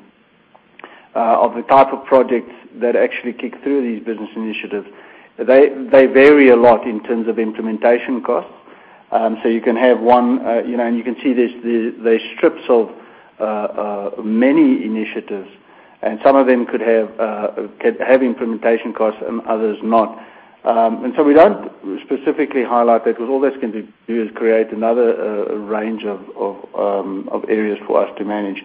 of the type of projects that actually kick through these business initiatives, they vary a lot in terms of implementation costs. You can have one, and you can see they strip many initiatives, and some of them could have implementation costs, and others not. We don't specifically highlight that because all that's going to do is create another range of areas for us to manage.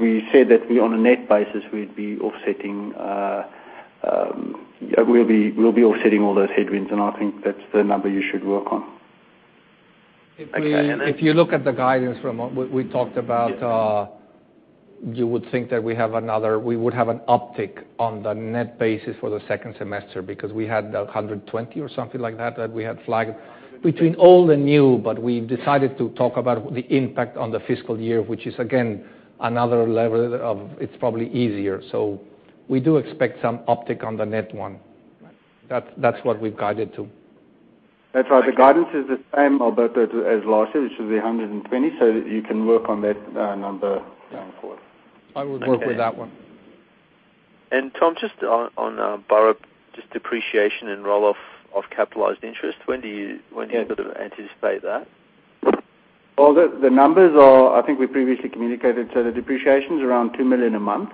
We said that on a net basis, we'll be offsetting all those headwinds, I think that's the number you should work on. Okay. If you look at the guidance, Ramon, we talked about Yes You would think that we would have an uptick on the net basis for the second semester because we had 120 or something like that that we had flagged between old and new. We decided to talk about the impact on the fiscal year, which is, again, another level of, it's probably easier. We do expect some uptick on the net one. That's what we've guided to. That's right. The guidance is the same, Alberto, as last year. It should be 120, so you can work on that number going forward. I would work with that one. Tom, just on Burrup, just depreciation and roll-off of capitalized interest, when do you sort of anticipate that? Well, the numbers are, I think we previously communicated, the depreciation's around 2 million a month,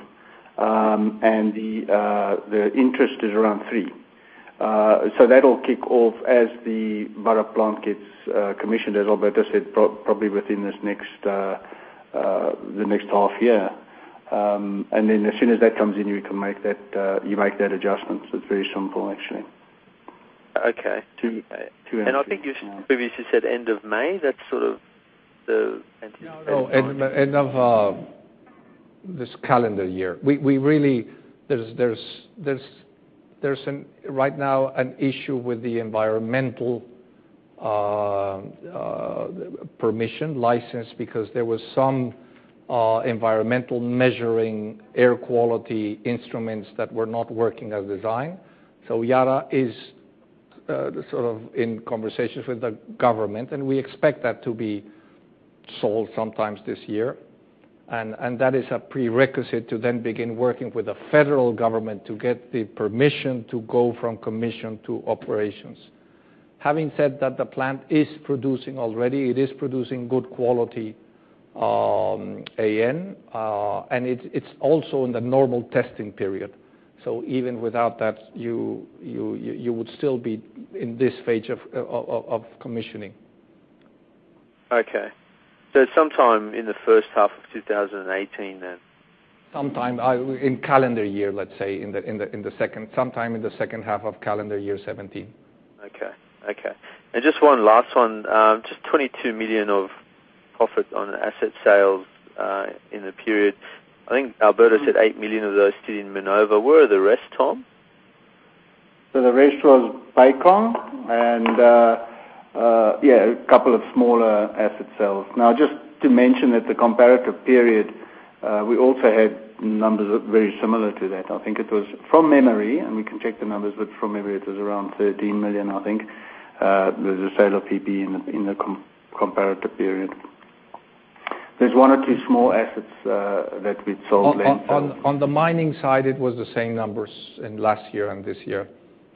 and the interest is around 3 million. That'll kick off as the Burrup plant gets commissioned, as Alberto said, probably within the next half year. As soon as that comes in, you make that adjustment. It's very simple, actually. Okay. Two entities. I think you previously said end of May, that's sort of the anticipated time? No, end of this calendar year. There is right now an issue with the environmental permission license because there was some environmental measuring air quality instruments that were not working as designed. Yara is sort of in conversations with the government, and we expect that to be solved sometime this year. That is a prerequisite to then begin working with the federal government to get the permission to go from commission to operations. Having said that, the plant is producing already. It is producing good quality AN, and it is also in the normal testing period. Even without that, you would still be in this phase of commissioning. Okay. Sometime in the first half of 2018, then? Sometime in calendar year, let us say, sometime in the second half of calendar year 2017. Okay. Just one last one, just 22 million of profit on asset sales in the period. I think Alberto said 8 million of those two in Minova. Where are the rest, Tom? The rest was Paycom and a couple of smaller asset sales. Now, just to mention that the comparative period, we also had numbers very similar to that. I think it was, from memory, and we can check the numbers, but from memory, it was around 13 million, I think, the sale of PP in the comparative period. There's one or two small assets that we sold then. On the mining side, it was the same numbers in last year and this year.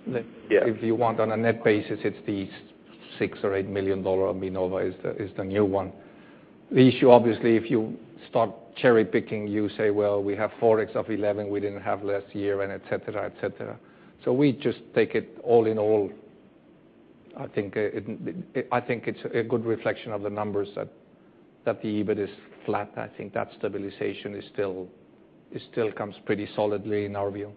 Yeah. If you want on a net basis, it's the 6 million or 8 million dollar on Minova is the new one. The issue obviously, if you start cherry-picking, you say, well, we have Forex of 11 we didn't have last year, and et cetera. We just take it all in all. I think it's a good reflection of the numbers that the EBIT is flat. I think that stabilization still comes pretty solidly in our view.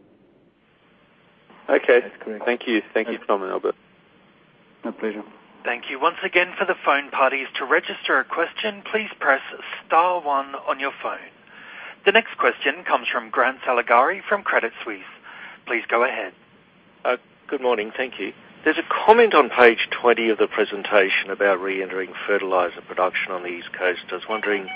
Okay. That's correct. Thank you, Tom and Alberto. My pleasure. Thank you once again for the phone participants. To register a question, please press *1 on your phone. The next question comes from Grant Saligari from Credit Suisse. Please go ahead. Good morning. Thank you. There's a comment on page 20 of the presentation about re-entering fertilizer production on the East Coast. I was wondering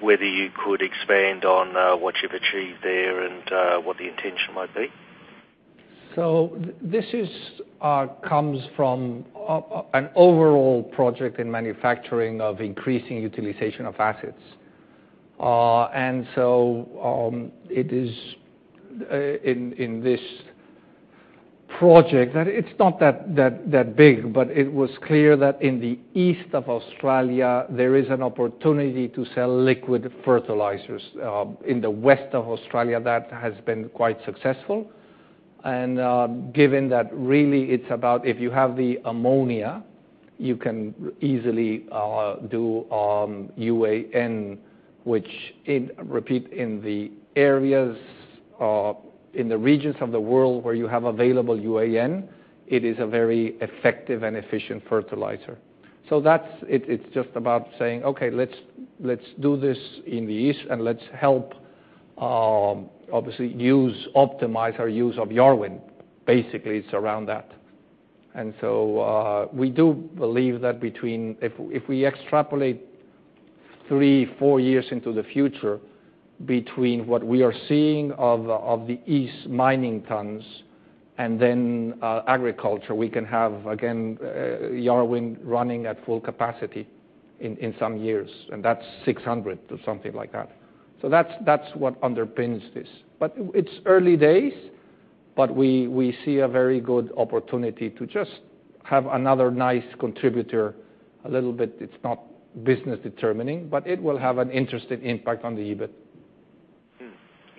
whether you could expand on what you've achieved there and what the intention might be. This comes from an overall project in manufacturing of increasing utilization of assets. It is in this project that it's not that big, but it was clear that in the East of Australia, there is an opportunity to sell liquid fertilizers. In the West of Australia, that has been quite successful. Given that really it's about if you have the ammonia, you can easily do UAN, which I repeat, in the areas or in the regions of the world where you have available UAN, it is a very effective and efficient fertilizer. It's just about saying, okay, let's do this in the East and let's help obviously optimize our use of Yarwun. Basically, it's around that. We do believe that if we extrapolate three, four years into the future between what we are seeing of the East mining tons and then agriculture, we can have, again, Yarwun running at full capacity in some years, and that's 600 or something like that. That's what underpins this. It's early days, but we see a very good opportunity to just have another nice contributor a little bit. It's not business determining, but it will have an interesting impact on the EBIT.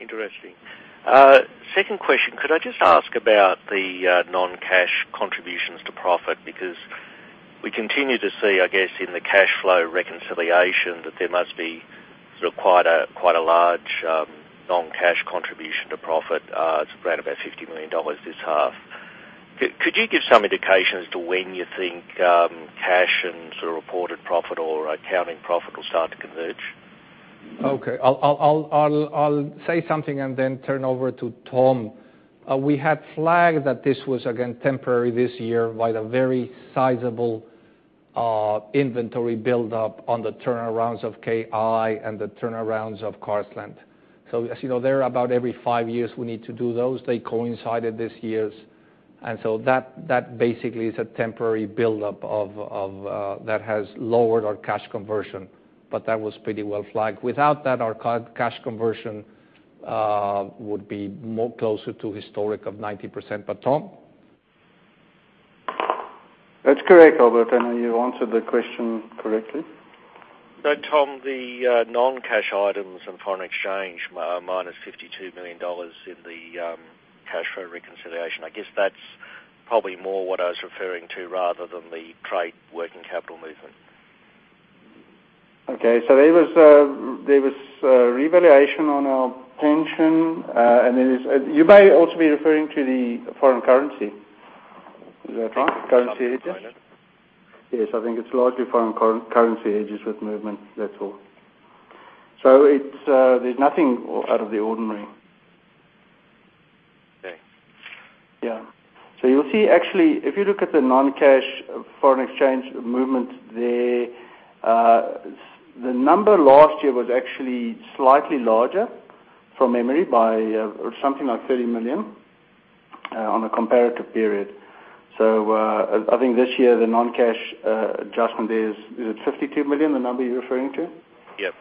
Interesting. Second question, could I just ask about the non-cash contributions to profit? Because we continue to see, I guess, in the cash flow reconciliation that there must be quite a large non-cash contribution to profit. It's around about 50 million dollars this half. Could you give some indication as to when you think cash and reported profit or accounting profit will start to converge? Okay. I'll say something and then turn over to Tom. We had flagged that this was again temporary this year by the very sizable inventory buildup on the turnarounds of KI and the turnarounds of Carseland. As you know, they're about every five years we need to do those. They coincided this year. That basically is a temporary buildup that has lowered our cash conversion. That was pretty well flagged. Without that, our cash conversion would be more closer to historic of 90%. Tom. That's correct, Alberto, and you answered the question correctly. Tom, the non-cash items and foreign exchange, minus 52 million dollars in the cash flow reconciliation. I guess that's probably more what I was referring to rather than the trade working capital movement. Okay. There was a revaluation on our pension. You may also be referring to the foreign currency. Is that right? Currency hedges? Something like that. Yes, I think it's largely foreign currency hedges with movement. That's all. There's nothing out of the ordinary. Okay. Yeah. You'll see actually, if you look at the non-cash foreign exchange movement there, the number last year was actually slightly larger from memory by something like 30 million on a comparative period. I think this year the non-cash adjustment is it 52 million, the number you're referring to? Yep.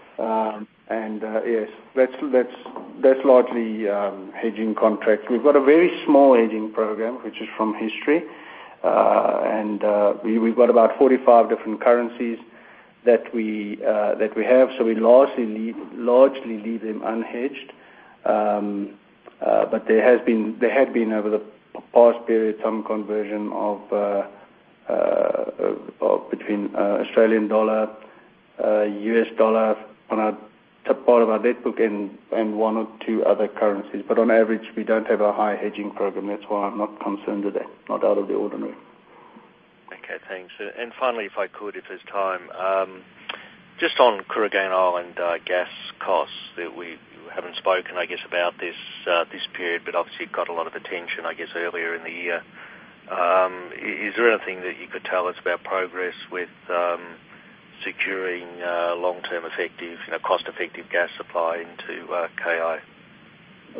Yes, that's largely hedging contracts. We've got a very small hedging program, which is from history. We've got about 45 different currencies that we have. We largely leave them unhedged. There had been over the past period, some conversion of Between Australian dollar, U.S. dollar on a top part of our debt book, and one or two other currencies. On average, we don't have a high hedging program. That's why I'm not concerned with it, not out of the ordinary. Okay, thanks. Finally, if I could, if there's time, just on Kooragang Island gas costs that we haven't spoken, I guess, about this period, but obviously it got a lot of attention, I guess, earlier in the year. Is there anything that you could tell us about progress with securing long-term effective, cost-effective gas supply into KI?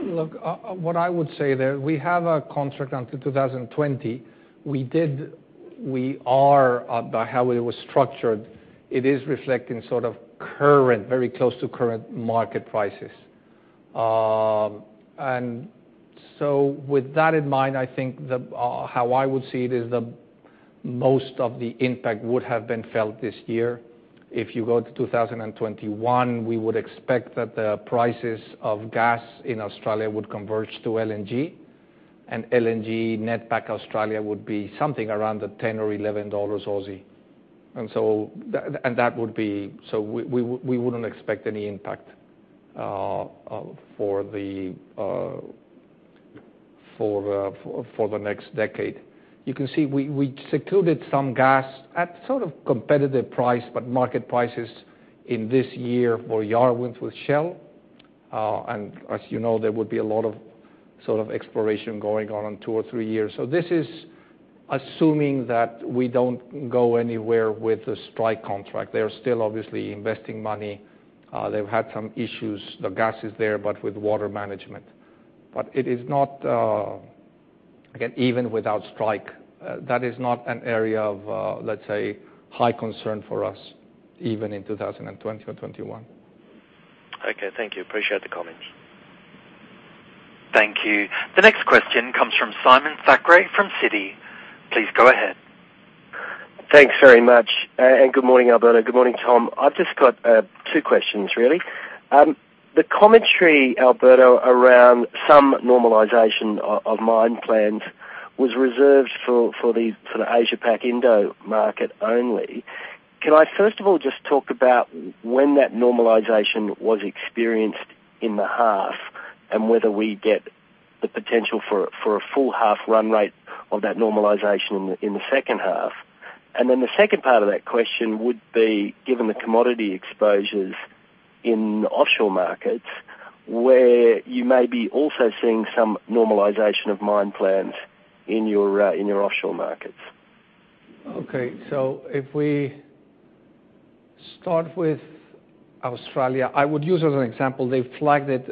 Look, what I would say there, we have a contract until 2020. By how it was structured, it is reflecting sort of current, very close to current market prices. With that in mind, I think how I would see it is the most of the impact would have been felt this year. If you go to 2021, we would expect that the prices of gas in Australia would converge to LNG, and LNG net back Australia would be something around 10 or 11 dollars. We wouldn't expect any impact for the next decade. You can see we secluded some gas at sort of competitive price, but market prices in this year for Yarwun with Shell. As you know, there would be a lot of sort of exploration going on in two or three years. This is assuming that we don't go anywhere with the Strike contract. They're still obviously investing money. They've had some issues. The gas is there, but with water management. It is not, again, even without Strike, that is not an area of, let's say, high concern for us even in 2020 or '21. Okay, thank you. Appreciate the comments. Thank you. The next question comes from Simon Thackray from Citi. Please go ahead. Thanks very much, and good morning, Alberto. Good morning, Tom. I've just got two questions really. The commentary, Alberto, around some normalization of mine plans was reserved for the Asia Pac Indo market only. Can I first of all just talk about when that normalization was experienced in the half, and whether we get the potential for a full half run rate of that normalization in the second half? The second part of that question would be, given the commodity exposures in offshore markets, where you may be also seeing some normalization of mine plans in your offshore markets. Okay. If we start with Australia, I would use as an example, they've flagged it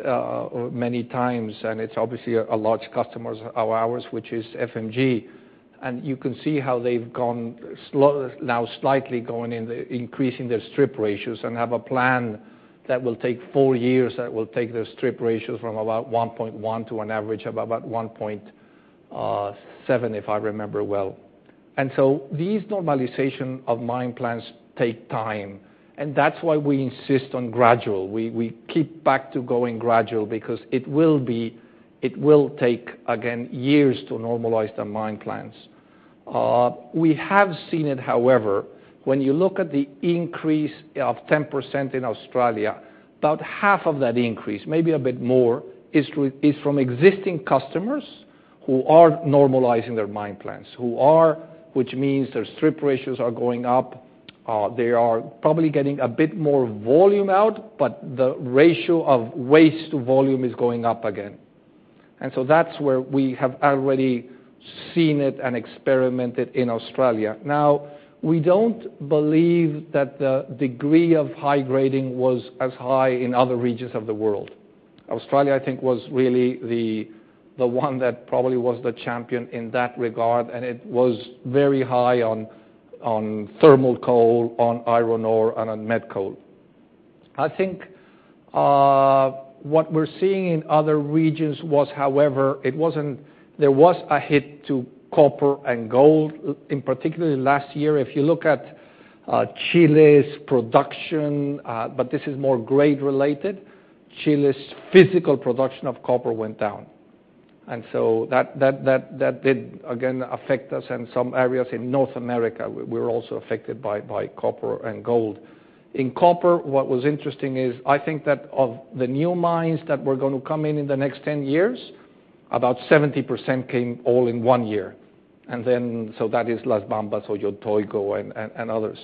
many times, and it's obviously a large customer of ours, which is FMG. You can see how they've gone slow, now slightly going in the increasing their strip ratios and have a plan that will take four years, that will take their strip ratios from about 1.1 to an average of about 1.7, if I remember well. These normalization of mine plans take time, and that's why we insist on gradual. We keep back to going gradual because it will take, again, years to normalize the mine plans. We have seen it, however, when you look at the increase of 10% in Australia, about half of that increase, maybe a bit more, is from existing customers who are normalizing their mine plans. Which means their strip ratios are going up. They are probably getting a bit more volume out, the ratio of waste to volume is going up again. That's where we have already seen it and experimented in Australia. We don't believe that the degree of high grading was as high in other regions of the world. Australia, I think, was really the one that probably was the champion in that regard, and it was very high on thermal coal, on iron ore, and on met coal. I think what we're seeing in other regions was, however, there was a hit to copper and gold, in particularly last year. If you look at Chile's production, this is more grade-related, Chile's physical production of copper went down. That did, again, affect us in some areas in North America. We're also affected by copper and gold. In copper, what was interesting is I think that of the new mines that were going to come in in the next 10 years, about 70% came all in one year. That is Las Bambas or Toromocho and others.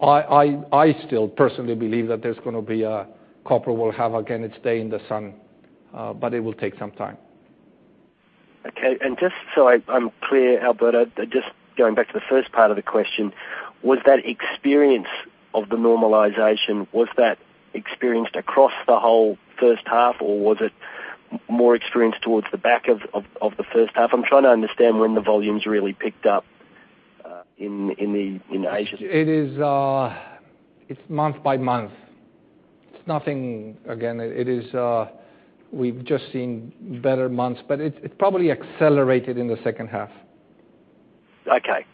I still personally believe that there's going to be a copper will have again its day in the sun, but it will take some time. Okay. Just so I'm clear, Alberto, just going back to the first part of the question, was that experience of the normalization, was that experienced across the whole first half, or was it more experienced towards the back of the first half? I'm trying to understand when the volumes really picked up in Asia. It's month by month. It's nothing, again, we've just seen better months, it probably accelerated in the second half. Okay.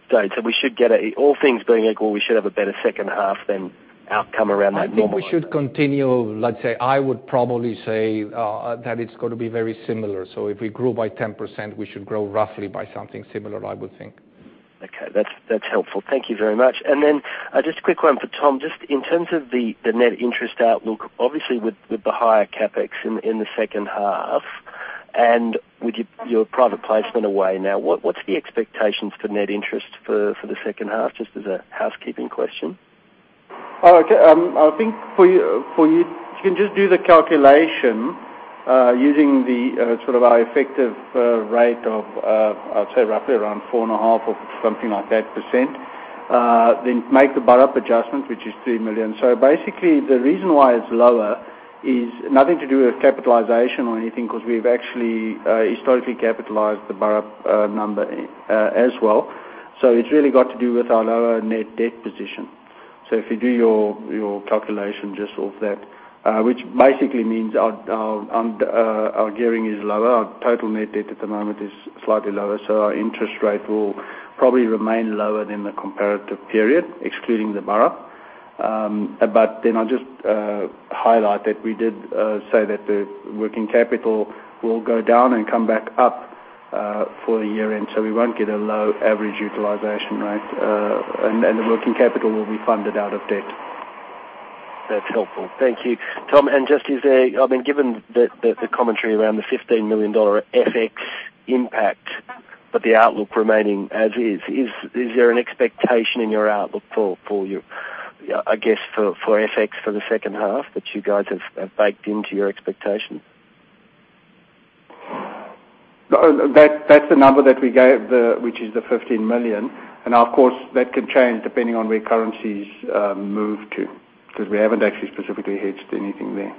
We should get a, all things being equal, we should have a better second half than Outcome around that normal- I think we should continue. Let's say, I would probably say that it's going to be very similar. If we grew by 10%, we should grow roughly by something similar, I would think. Okay. That's helpful. Thank you very much. Just a quick one for Tom. Just in terms of the net interest outlook, obviously, with the higher CapEx in the second half and with your private placement away now, what's the expectations for net interest for the second half? Just as a housekeeping question. Okay. I think for you, if you can just do the calculation using our effective rate of, I would say roughly around 4.5% or something like that. Make the Burrup adjustment, which is 3 million. The reason why it's lower is nothing to do with capitalization or anything because we've actually historically capitalized the Burrup number as well. It's really got to do with our lower net debt position. If you do your calculation just off that, which basically means our gearing is lower. Our total net debt at the moment is slightly lower. Our interest rate will probably remain lower than the comparative period, excluding the Burrup. I'll just highlight that we did say that the working capital will go down and come back up for the year-end, so we won't get a low average utilization rate. The working capital will be funded out of debt. That's helpful. Thank you, Tom. Just is there Given the commentary around the 15 million dollar FX impact, but the outlook remaining as is there an expectation in your outlook for, I guess for FX for the second half that you guys have baked into your expectations? That's the number that we gave, which is the 15 million. Of course, that could change depending on where currencies move to, because we haven't actually specifically hedged anything there.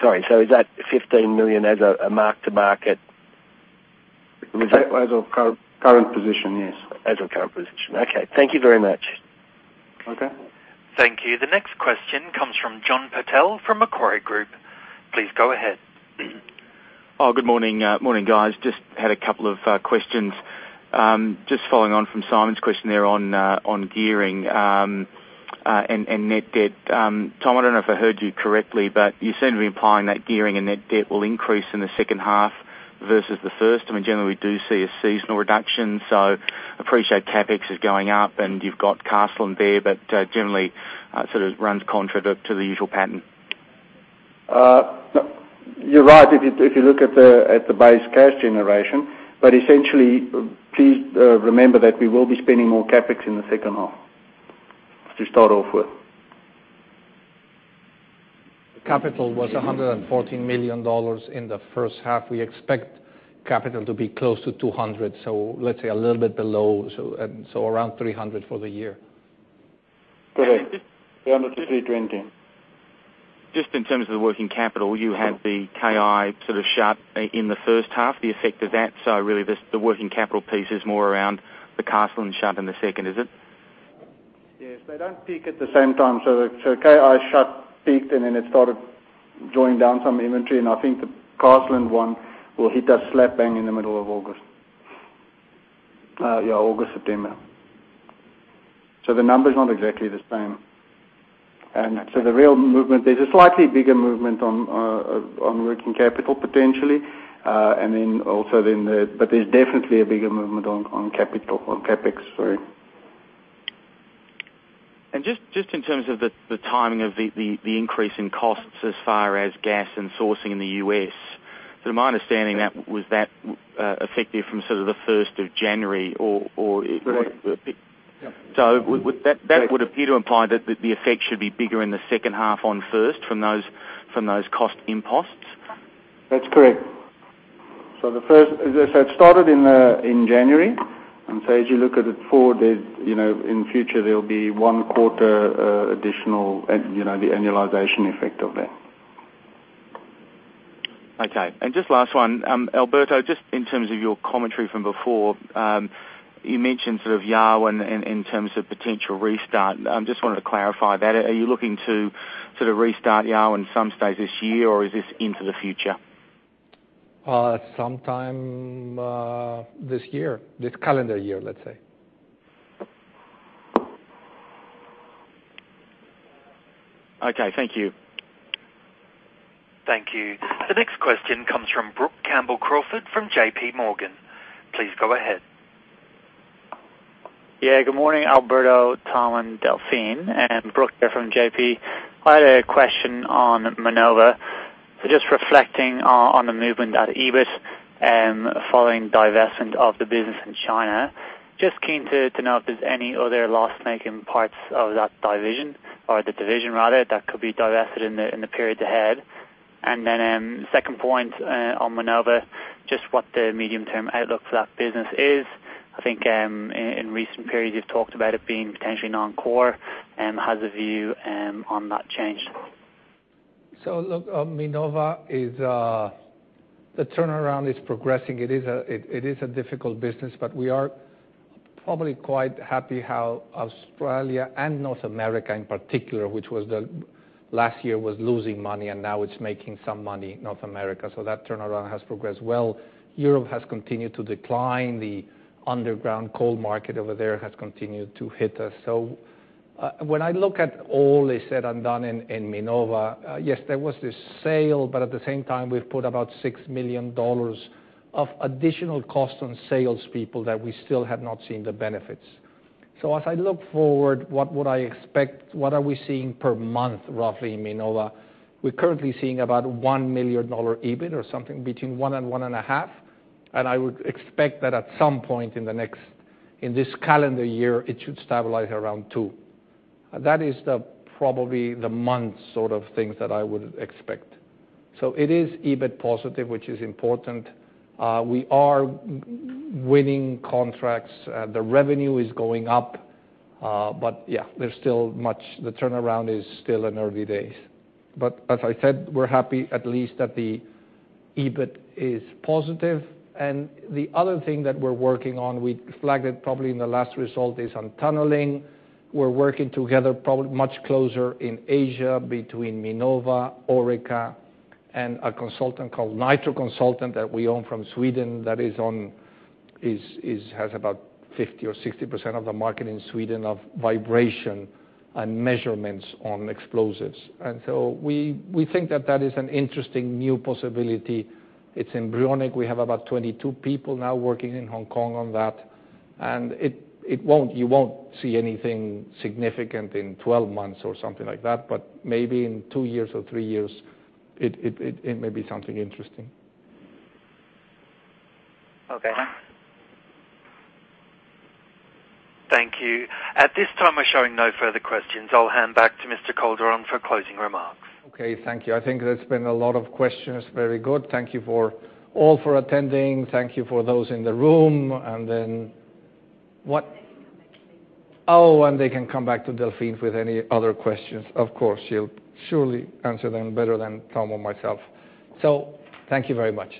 Sorry, is that 15 million as a mark to market? As of current position, yes. As of current position. Okay. Thank you very much. Okay. Thank you. The next question comes from John Purtell from Macquarie Group. Please go ahead. Good morning. Morning, guys. Just had a couple of questions. Just following on from Simon's question there on gearing and net debt. Tom, I don't know if I heard you correctly, but you seem to be implying that gearing and net debt will increase in the second half versus the first. I mean, generally, we do see a seasonal reduction. Appreciate CapEx is going up and you've got Carseland and WebGen, generally, sort of runs contrary to the usual pattern. You're right. If you look at the base cash generation. Essentially, please remember that we will be spending more CapEx in the second half to start off with. Capital was 114 million dollars in the first half. We expect capital to be close to 200. Let's say a little bit below, around 300 for the year. Correct. Around the 320. Just in terms of the working capital, you had the KI sort of shut in the first half, the effect of that. Really, the working capital piece is more around the Carseland shut in the second, is it? Yes. They don't peak at the same time. KI shut, peaked, and then it started drawing down some inventory, and I think the Carseland one will hit us slap bang in the middle of August. Yeah, August, September. The number is not exactly the same. The real movement, there's a slightly bigger movement on working capital, potentially. There's definitely a bigger movement on capital, on CapEx, sorry. Just in terms of the timing of the increase in costs as far as gas and sourcing in the U.S., to my understanding was that effective from sort of the 1st of January or? Correct. That would appear to imply that the effect should be bigger in the second half on first from those cost imposts. That's correct. The first, as I said, started in January. As you look at it forward, in the future, there'll be one quarter additional, the annualization effect of that. Okay. Just last one. Alberto, just in terms of your commentary from before, you mentioned sort of Yarwun in terms of potential restart. Just wanted to clarify that. Are you looking to sort of restart Yarwun some stage this year, or is this into the future? Sometime this year. This calendar year, let's say. Okay. Thank you. Thank you. The next question comes from Brook Campbell-Crawford from JP Morgan. Please go ahead. Good morning, Alberto, Tom, and Delphine. Brook here from JP. Just reflecting on the movement at EBIT and following divestment of the business in China, just keen to know if there's any other loss-making parts of that division or the division rather, that could be divested in the period ahead. Second point on Minova, just what the medium-term outlook for that business is. I think in recent periods you've talked about it being potentially non-core. How's the view on that change? Minova is the turnaround is progressing. It is a difficult business, but we are probably quite happy how Australia and North America in particular, which was the last year was losing money, and now it's making some money, North America. That turnaround has progressed well. Europe has continued to decline. The underground coal market over there has continued to hit us. When I look at all is said and done in Minova, yes, there was this sale, but at the same time, we've put about 6 million dollars of additional cost on salespeople that we still have not seen the benefits. As I look forward, what would I expect? What are we seeing per month, roughly in Minova? We're currently seeing about 1 million dollar EBIT or something between 1 and 1.5. I would expect that at some point in this calendar year, it should stabilize around 2. That is probably the month sort of things that I would expect. It is EBIT positive, which is important. We are winning contracts. The revenue is going up. Yeah, the turnaround is still in early days. As I said, we're happy at least that the EBIT is positive. The other thing that we're working on, we flagged it probably in the last result, is on tunneling. We're working together probably much closer in Asia between Minova, Orica, and a consultant called Nitro Consult that we own from Sweden that has about 50% or 60% of the market in Sweden of vibration and measurements on explosives. We think that that is an interesting new possibility. It's embryonic. We have about 22 people now working in Hong Kong on that, you won't see anything significant in 12 months or something like that, but maybe in 2 years or 3 years, it may be something interesting. Okay. Thank you. At this time, we're showing no further questions. I'll hand back to Mr. Calderon for closing remarks. Okay. Thank you. I think that's been a lot of questions. Very good. Thank you all for attending. Thank you for those in the room. They can come back to Delphine with any other questions. Of course, she'll surely answer them better than Tom or myself. Thank you very much.